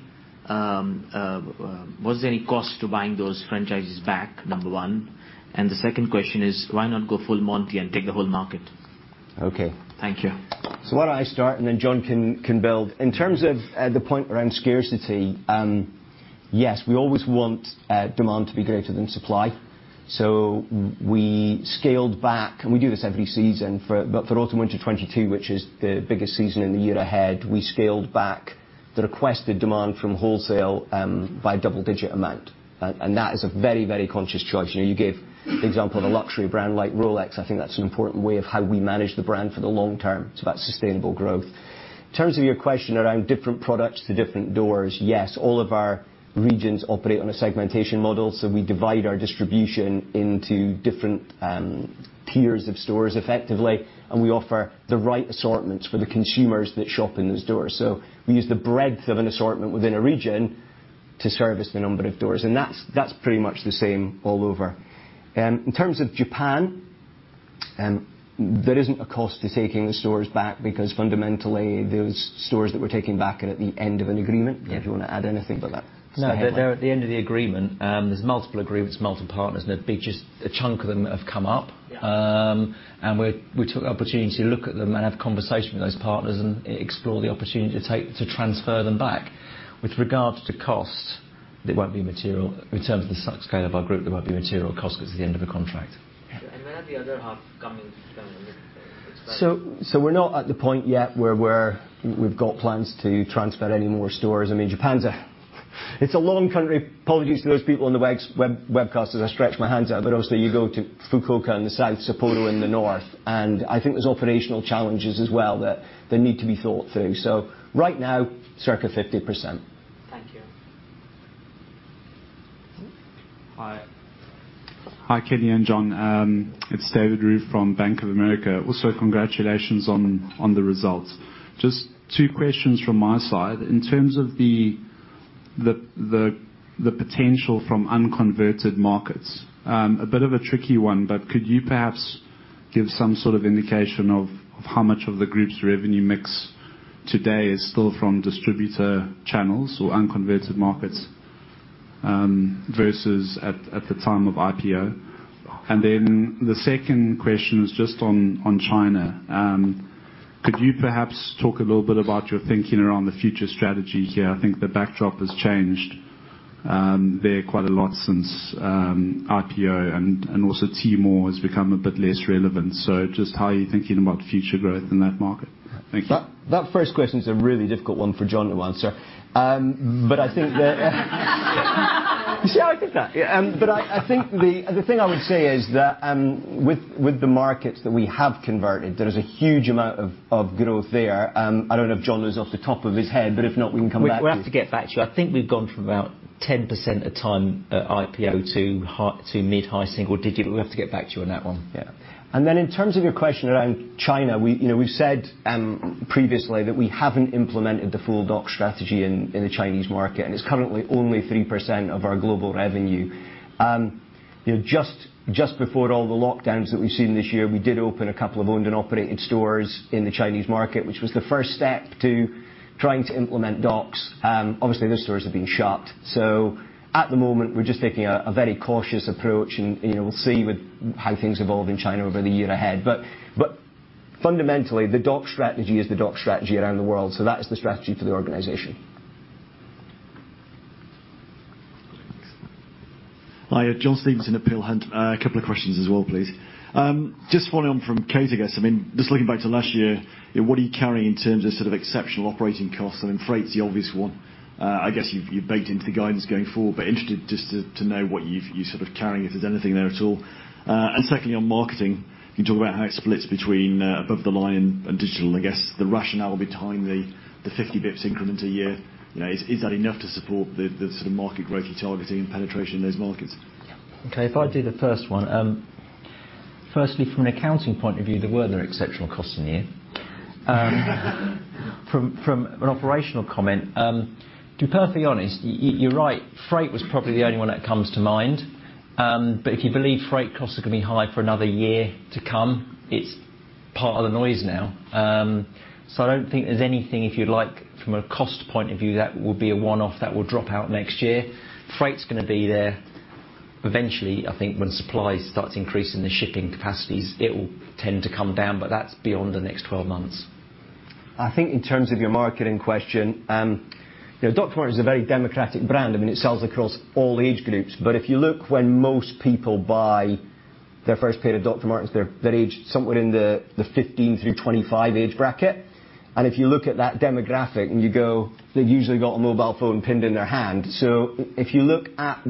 cost to buying those franchises back? Number one. The second question is why not go full Monty and take the whole market? Okay. Thank you. Why don't I start, and then Jon can build. In terms of the point around scarcity, yes, we always want demand to be greater than supply. We scaled back, and we do this every season. But for autumn/winter 2022, which is the biggest season in the year ahead, we scaled back the requested demand from wholesale by a double-digit amount. And that is a very, very conscious choice. You know, you gave the example of a luxury brand like Rolex. I think that's an important way of how we manage the brand for the long term. It's about sustainable growth. In terms of your question around different products to different doors, yes, all of our regions operate on a segmentation model, so we divide our distribution into different tiers of stores effectively, and we offer the right assortments for the consumers that shop in those stores. We use the breadth of an assortment within a region to service the number of doors, and that's pretty much the same all over. In terms of Japan, there isn't a cost to taking the stores back because fundamentally those stores that we're taking back are at the end of an agreement. Yeah. If you wanna add anything to that. No. They're at the end of the agreement. There's multiple agreements, multiple partners in it, but just a chunk of them have come up. Yeah. We took the opportunity to look at them and have conversation with those partners and explore the opportunity to transfer them back. With regards to cost, there won't be material. In terms of the size, scale of our group, there won't be material cost 'cause it's the end of a contract. When are the other half coming to Spain as well? We're not at the point yet where we've got plans to transfer any more stores. I mean, Japan's a long country. Apologies to those people on the webcast as I stretch my hands out, but obviously you go to Fukuoka in the south, Sapporo in the north, and I think there's operational challenges as well that need to be thought through. Right now, circa 50%. Thank you. Mm. Hi. Hi, Kenny and Jon. It's David Roux from Bank of America. Also, congratulations on the results. Just two questions from my side. In terms of the potential from unconverted markets, a bit of a tricky one, but could you perhaps give some sort of indication of how much of the group's revenue mix today is still from distributor channels or unconverted markets versus at the time of IPO? The second question is just on China. Could you perhaps talk a little bit about your thinking around the future strategy here? I think the backdrop has changed there quite a lot since IPO and also Tmall has become a bit less relevant. Just how are you thinking about future growth in that market? Thank you. That first question is a really difficult one for Jon to answer. I think the thing I would say is that, with the markets that we have converted, there is a huge amount of growth there. I don't know if Jon knows off the top of his head, but if not, we can come back to you. We'll have to get back to you. I think we've gone from about 10% at the time of IPO to mid- to high-single-digit. We'll have to get back to you on that one. Yeah. In terms of your question around China, we, you know, we've said previously that we haven't implemented the full DOCS strategy in the Chinese market, and it's currently only 3% of our global revenue. You know, just before all the lockdowns that we've seen this year, we did open a couple of owned and operated stores in the Chinese market, which was the first step to trying to implement DOCS. Obviously, those stores have been shut. At the moment, we're just taking a very cautious approach and, you know, we'll see how things evolve in China over the year ahead. Fundamentally, the DOCS strategy is the DOCS strategy around the world, that is the strategy for the organization. Thanks. Hi. John Stevenson at Peel Hunt. A couple of questions as well, please. Just following on from Kate, I guess. I mean, just looking back to last year, what are you carrying in terms of sort of exceptional operating costs? I mean, freight's the obvious one. I guess you've baked into the guidance going forward, but interested just to know what you're sort of carrying, if there's anything there at all. And secondly, on marketing, can you talk about how it splits between above the line and digital? I guess the rationale behind the 50 basis points increment a year. You know, is that enough to support the sort of market growth you're targeting and penetration in those markets? Okay. If I do the first one. Firstly, from an accounting point of view, there were no exceptional costs in the year. From an operational comment, to be perfectly honest, you're right, freight was probably the only one that comes to mind. If you believe freight costs are gonna be high for another year to come, it's part of the noise now. I don't think there's anything, if you like, from a cost point of view, that will be a one-off that will drop out next year. Freight's gonna be there. Eventually, I think once supply starts increasing the shipping capacities, it will tend to come down, but that's beyond the next 12 months. I think in terms of your marketing question, you know, Dr. Martens is a very democratic brand. I mean, it sells across all age groups. If you look when most people buy their first pair of Dr. Martens, they're that age somewhere in the 15-25 age bracket. If you look at that demographic and you go, they've usually got a mobile phone pinned in their hand. Without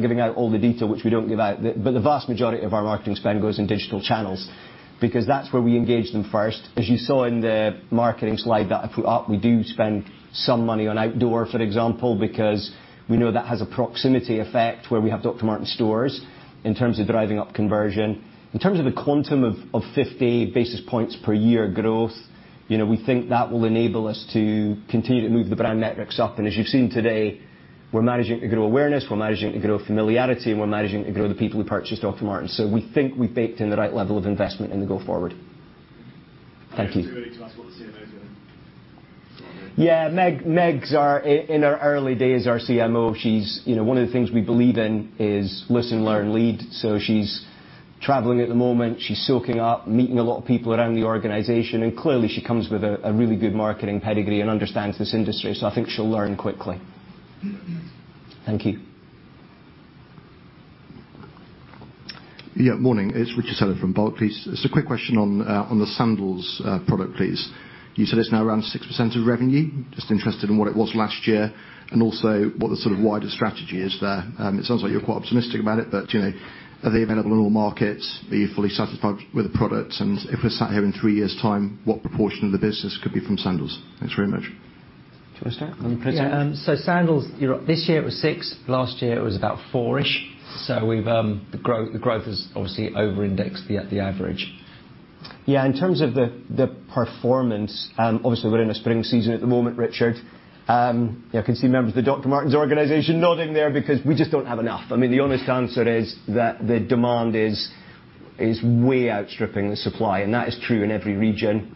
giving out all the detail, which we don't give out, but the vast majority of our marketing spend goes in digital channels because that's where we engage them first. As you saw in the marketing slide that I put up, we do spend some money on outdoor, for example, because we know that has a proximity effect where we have Dr. Martens stores in terms of driving up conversion. In terms of the quantum of 50 basis points per year growth, you know, we think that will enable us to continue to move the brand metrics up. As you've seen today, we're managing to grow awareness, we're managing to grow familiarity, and we're managing to grow the people who purchase Dr. Martens. We think we baked in the right level of investment in the going forward. Thank you. Is Kate going to tell us what the CMO's doing? Yeah, Meg's our, in her early days, our CMO. You know, one of the things we believe in is listen, learn, lead. She's traveling at the moment. She's soaking up, meeting a lot of people around the organization, and clearly she comes with a really good marketing pedigree and understands this industry. I think she'll learn quickly. Thank you. Morning. It's Richard Taylor from Barclays, please. Just a quick question on the sandals product, please. You said it's now around 6% of revenue. Just interested in what it was last year and also what the sort of wider strategy is there. It sounds like you're quite optimistic about it, but you know, are they available in all markets? Are you fully satisfied with the product? If we're sat here in three years' time, what proportion of the business could be from sandals? Thanks very much. Do you want to start? Sandals, you're up. This year it was six, last year it was about four-ish. The growth has obviously over-indexed the average. In terms of the performance, obviously we're in a spring season at the moment, Richard. I can see members of the Dr. Martens organization nodding there because we just don't have enough. I mean, the honest answer is that the demand is way outstripping the supply, and that is true in every region.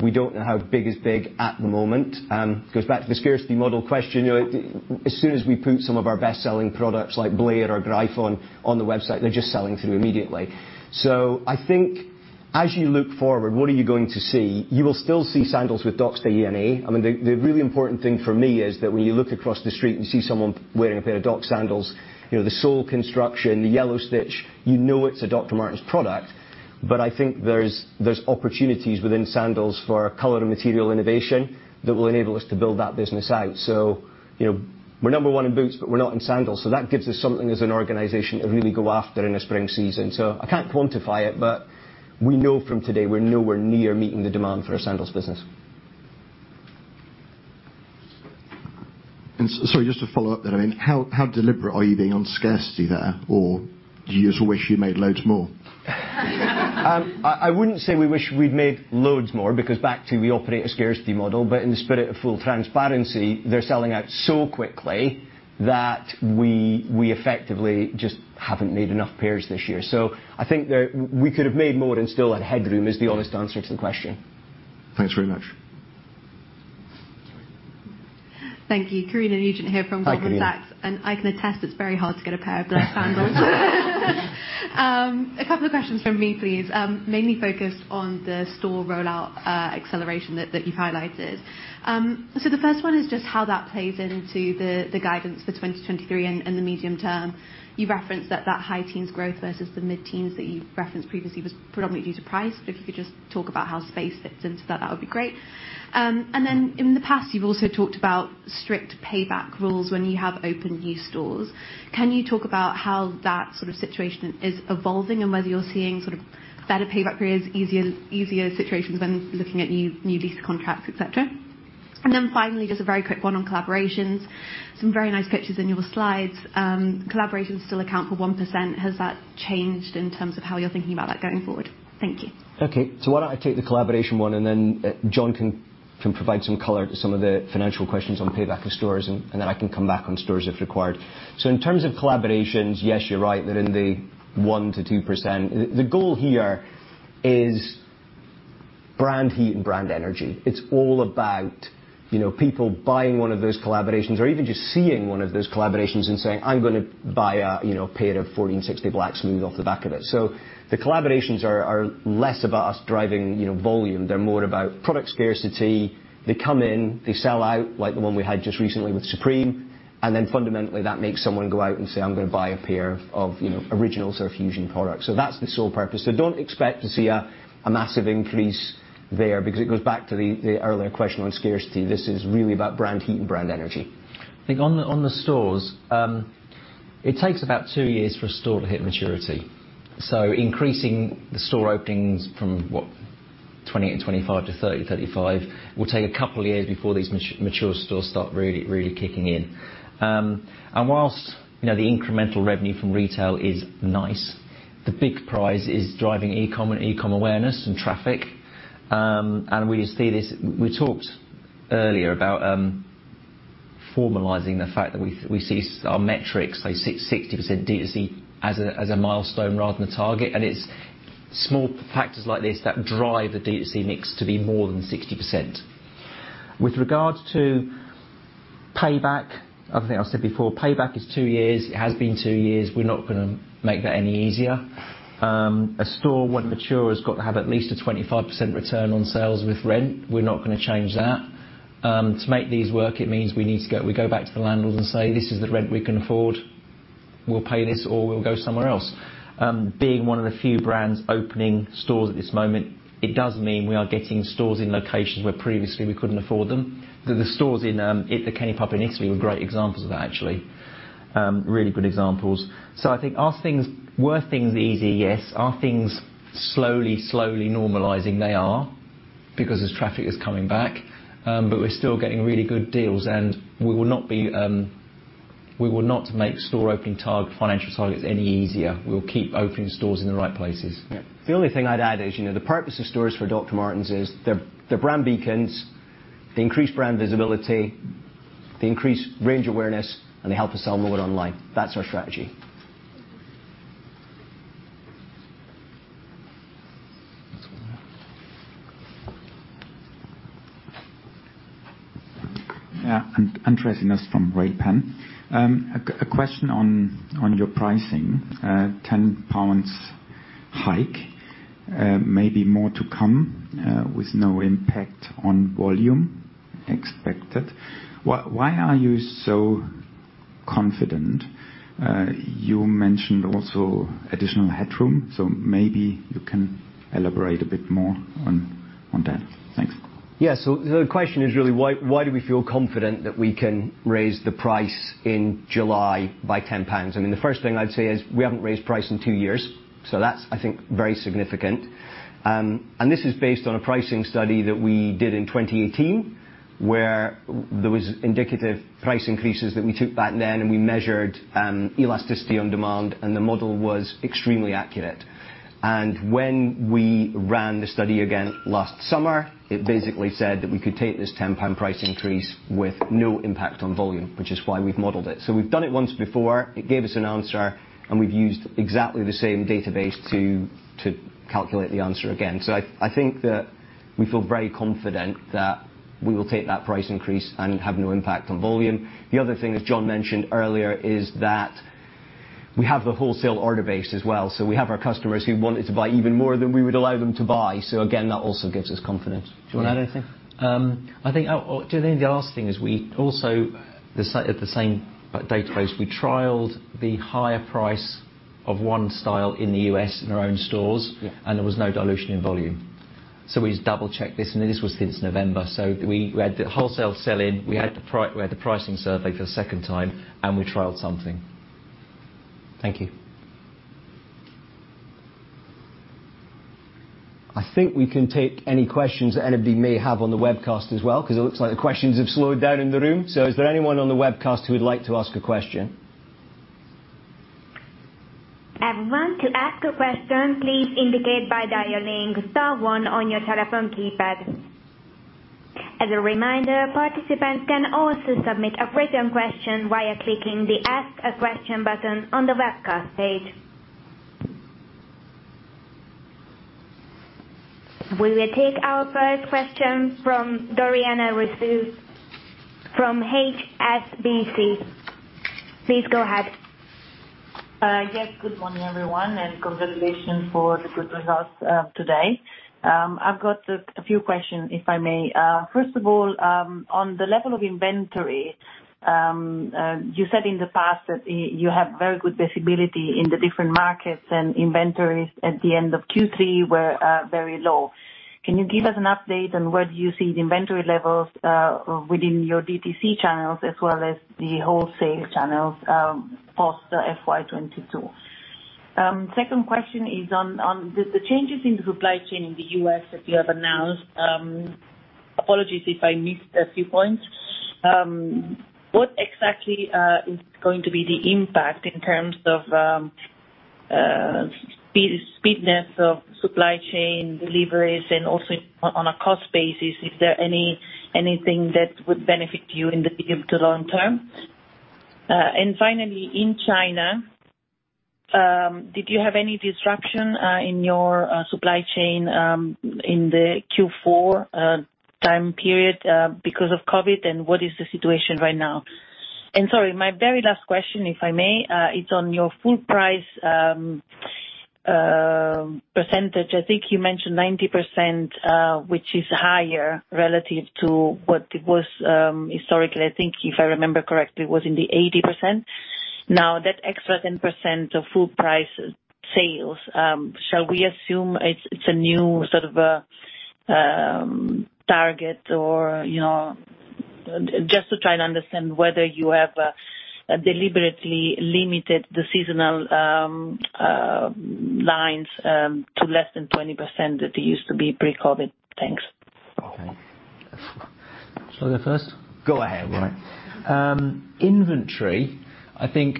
We don't know how big is big at the moment. Goes back to the scarcity model question. You know, as soon as we put some of our best-selling products like Blaire or Gryphon on the website, they're just selling through immediately. I think. As you look forward, what are you going to see? You will still see sandals with DOCS DNA. I mean, the really important thing for me is that when you look across the street and you see someone wearing a pair of DOCS sandals, you know, the sole construction, the yellow stitch, you know it's a Dr. Martens product. I think there's opportunities within sandals for color and material innovation that will enable us to build that business out. You know, we're number one in boots, but we're not in sandals, so that gives us something as an organization to really go after in the spring season. I can't quantify it, but we know from today we're nowhere near meeting the demand for our sandals business. Sorry, just to follow up there, I mean, how deliberate are you being on scarcity there? Or do you just wish you'd made loads more? I wouldn't say we wish we'd made loads more, because back to we operate a scarcity model. In the spirit of full transparency, they're selling out so quickly that we effectively just haven't made enough pairs this year. I think we could have made more and still had headroom, is the honest answer to the question. Thanks very much. Thank you. Karina Nugent here from Goldman Sachs. Hi, Carina. I can attest it's very hard to get a pair of the sandals. A couple of questions from me, please, mainly focused on the store rollout, acceleration that you've highlighted. The first one is just how that plays into the guidance for 2023 and the medium term. You referenced that high-teens growth versus the mid-teens that you referenced previously was predominantly due to price, but if you could just talk about how space fits into that would be great. In the past, you've also talked about strict payback rules when you open new stores. Can you talk about how that sort of situation is evolving and whether you're seeing sort of better payback periods, easier situations when looking at new lease contracts, et cetera? Finally, just a very quick one on collaborations. Some very nice pictures in your slides. Collaborations still account for 1%. Has that changed in terms of how you're thinking about that going forward? Thank you. Okay. Why don't I take the collaboration one, and then Jon can provide some color to some of the financial questions on payback of stores, and then I can come back on stores if required. In terms of collaborations, yes, you're right. They're in the 1%-2%. The goal here is brand heat and brand energy. It's all about, you know, people buying one of those collaborations or even just seeing one of those collaborations and saying, "I'm gonna buy a, you know, pair of 1460 blacks" moving off the back of it. The collaborations are less about us driving, you know, volume. They're more about product scarcity. They come in, they sell out, like the one we had just recently with Supreme, and then fundamentally that makes someone go out and say, "I'm gonna buy a pair of, you know, Originals, our Fusion products." That's the sole purpose. Don't expect to see a massive increase there, because it goes back to the earlier question on scarcity. This is really about brand heat and brand energy. I think on the stores, it takes about two years for a store to hit maturity. Increasing the store openings from 28 and 25 to 30, 35 will take a couple of years before these mature stores start really kicking in. While, you know, the incremental revenue from retail is nice, the big prize is driving e-com and e-com awareness and traffic. We see this. We talked earlier about formalizing the fact that we see our metrics, like 60% DTC as a milestone rather than a target, and it's small factors like this that drive the DTC mix to be more than 60%. With regards to payback, I think I said before, payback is two years. It has been two years. We're not gonna make that any easier. A store, when mature, has got to have at least a 25% return on sales with rent. We're not gonna change that. To make these work, it means we need to go back to the landlord and say, "This is the rent we can afford. We'll pay this, or we'll go somewhere else." Being one of the few brands opening stores at this moment, it does mean we are getting stores in locations where previously we couldn't afford them. The stores in the in Italy were great examples of that, actually. Really good examples. I think, were things easier? Yes. Are things slowly normalizing? They are, because as traffic is coming back, but we're still getting really good deals, and we will not be. We will not make financial targets any easier. We'll keep opening stores in the right places. Yeah. The only thing I'd add is, you know, the purpose of stores for Dr. Martens is they're brand beacons. They increase brand visibility, they increase range awareness, and they help us sell more online. That's our strategy. Andreas Inderst from Railpen. A question on your pricing. A 10 pounds hike, maybe more to come, with no impact on volume expected. Why are you so confident? You mentioned also additional headroom, so maybe you can elaborate a bit more on that. Thanks. Yeah. The question is really why do we feel confident that we can raise the price in July by 10 pounds? I mean, the first thing I'd say is we haven't raised price in two years, so that's, I think, very significant. This is based on a pricing study that we did in 2018, where there was indicative price increases that we took back then, and we measured elasticity on demand, and the model was extremely accurate. When we ran the study again last summer, it basically said that we could take this 10 pound price increase with no impact on volume, which is why we've modeled it. We've done it once before. It gave us an answer, and we've used exactly the same database to calculate the answer again. I think that we feel very confident that we will take that price increase and have no impact on volume. The other thing that Jon mentioned earlier is that we have the wholesale order base as well. We have our customers who wanted to buy even more than we would allow them to buy, so again, that also gives us confidence. Do you want to add anything? I think at the same database, we trialed the higher price of one style in the U.S. in our own stores. Yes. There was no dilution in volume. We double-checked this, and this was since November. We had the wholesale sell-in, we had the pricing survey for the second time, and we trialed something. Thank you. I think we can take any questions anybody may have on the webcast as well, 'cause it looks like the questions have slowed down in the room. Is there anyone on the webcast who would like to ask a question? Everyone, to ask a question, please indicate by dialing star one on your telephone keypad. As a reminder, participants can also submit a written question via clicking the Ask a Question button on the webcast page. We will take our first question from Doriana Russo from HSBC. Please go ahead. Yes. Good morning, everyone, and congratulations for the good results today. I've got a few questions if I may. First of all, on the level of inventory, you said in the past that you have very good visibility in the different markets and inventories at the end of Q3 were very low. Can you give us an update on where do you see the inventory levels within your DTC channels as well as the wholesale channels post FY 2022? Second question is on the changes in the supply chain in the U.S. that you have announced, apologies if I missed a few points. What exactly is going to be the impact in terms of speediness of supply chain deliveries and also on a cost basis? Is there anything that would benefit you in the medium to long term? Finally, in China, did you have any disruption in your supply chain in the Q4 time period because of COVID, and what is the situation right now? Sorry, my very last question, if I may, it's on your full price percentage. I think you mentioned 90%, which is higher relative to what it was historically. I think if I remember correctly, it was in the 80%. Now, that extra 10% of full price sales, shall we assume it's a new sort of a target or, you know, just to try and understand whether you have deliberately limited the seasonal lines to less than 20% that they used to be pre-COVID. Thanks. Okay. Shall I go first? Go ahead. Right. Inventory, I think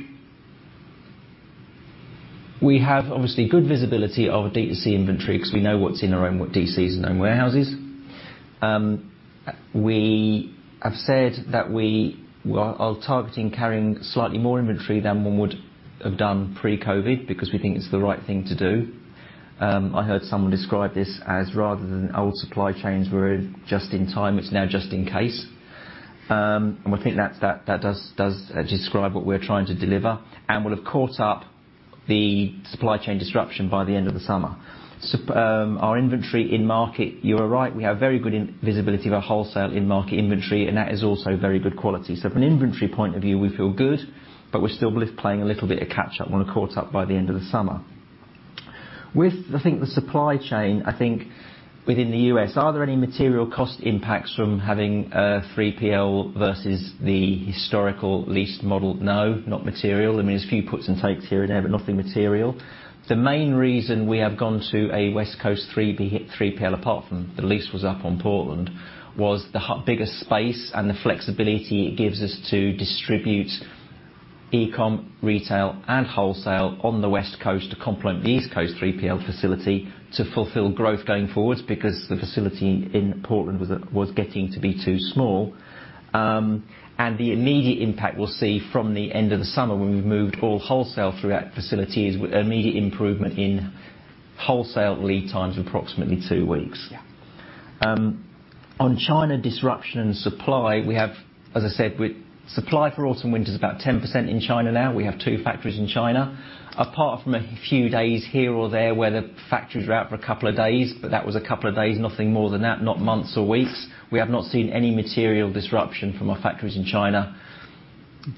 we have obviously good visibility of DTC inventory because we know what's in our own DCs and own warehouses. We have said that we are targeting carrying slightly more inventory than one would have done pre-COVID because we think it's the right thing to do. I heard someone describe this as rather than old supply chains were just in time, it's now just in case. We think that's that does describe what we're trying to deliver. We'll have caught up the supply chain disruption by the end of the summer. Our inventory in market, you are right, we have very good visibility of our wholesale in-market inventory, and that is also very good quality. From an inventory point of view, we feel good, but we're still playing a little bit of catch up. We want to catch up by the end of the summer. With the supply chain, within the U.S., are there any material cost impacts from having a 3PL versus the historical leased model? No, not material. I mean, there's a few puts and takes here and there, but nothing material. The main reason we have gone to a West Coast 3PL, apart from the lease was up in Portland, was the bigger space and the flexibility it gives us to distribute e-com, retail and wholesale on the West Coast to complement the East Coast 3PL facility to fulfill growth going forward because the facility in Portland was getting to be too small. The immediate impact we'll see from the end of the summer when we've moved all wholesale through that facility is immediate improvement in wholesale lead times approximately two weeks. Yeah. On China disruption and supply, we have, as I said, with supply for autumn/winter is about 10% in China now. We have two factories in China. Apart from a few days here or there where the factories were out for a couple of days, but that was a couple of days, nothing more than that, not months or weeks. We have not seen any material disruption from our factories in China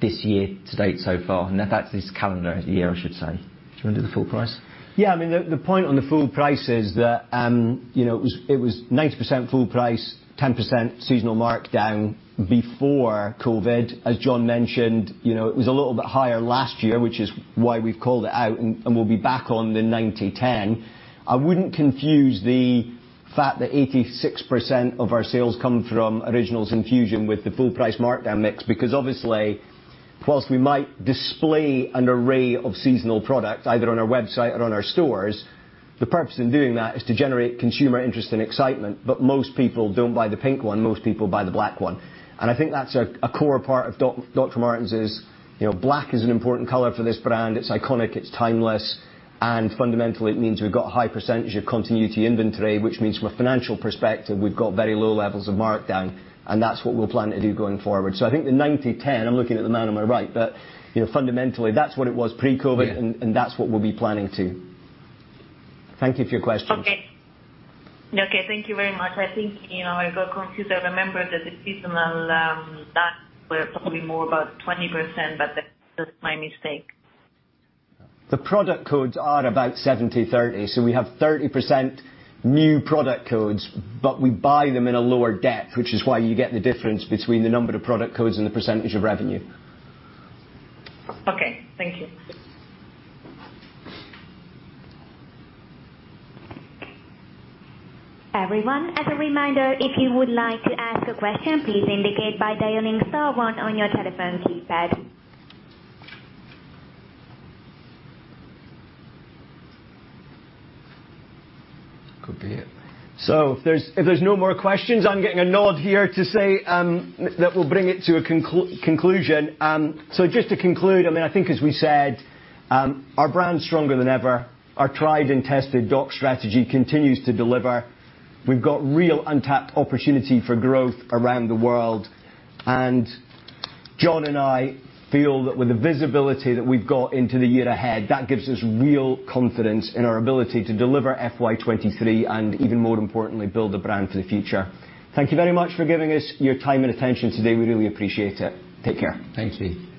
this year to date so far. That's this calendar year, I should say. Do you want to do the full price? I mean, the point on the full price is that, you know, it was 90% full price, 10% seasonal markdown before COVID. As Jon mentioned, you know, it was a little bit higher last year, which is why we've called it out and we'll be back on the 90/10. I wouldn't confuse the fact that 86% of our sales come from Originals and Fusion with the full price markdown mix, because obviously, while we might display an array of seasonal products either on our website or in our stores, the purpose in doing that is to generate consumer interest and excitement. Most people don't buy the pink one, most people buy the black one. I think that's a core part of Dr. Martens, you know, black is an important color for this brand. It's iconic, it's timeless, and fundamentally, it means we've got a high percentage of continuity inventory, which means from a financial perspective, we've got very low levels of markdown, and that's what we'll plan to do going forward. I think the 90/10, I'm looking at the man on my right, but, you know, fundamentally, that's what it was pre-COVID. Yeah. That's what we'll be planning to. Thank you for your questions. Okay. Okay, thank you very much. I think, you know, I got confused. I remember that the seasonal lines were probably more about 20%, but that was my mistake. The product codes are about 70/30. We have 30% new product codes, but we buy them in a lower depth, which is why you get the difference between the number of product codes and the percentage of revenue. Okay. Thank you. Everyone, as a reminder, if you would like to ask a question, please indicate by dialing star one on your telephone keypad. Could be it. If there's no more questions, I'm getting a nod here to say that we'll bring it to a conclusion. Just to conclude, I mean, I think as we said, our brand's stronger than ever. Our tried and tested Doc strategy continues to deliver. We've got real untapped opportunity for growth around the world. Jon and I feel that with the visibility that we've got into the year ahead, that gives us real confidence in our ability to deliver FY 2023 and even more importantly, build the brand for the future. Thank you very much for giving us your time and attention today. We really appreciate it. Take care. Thank you.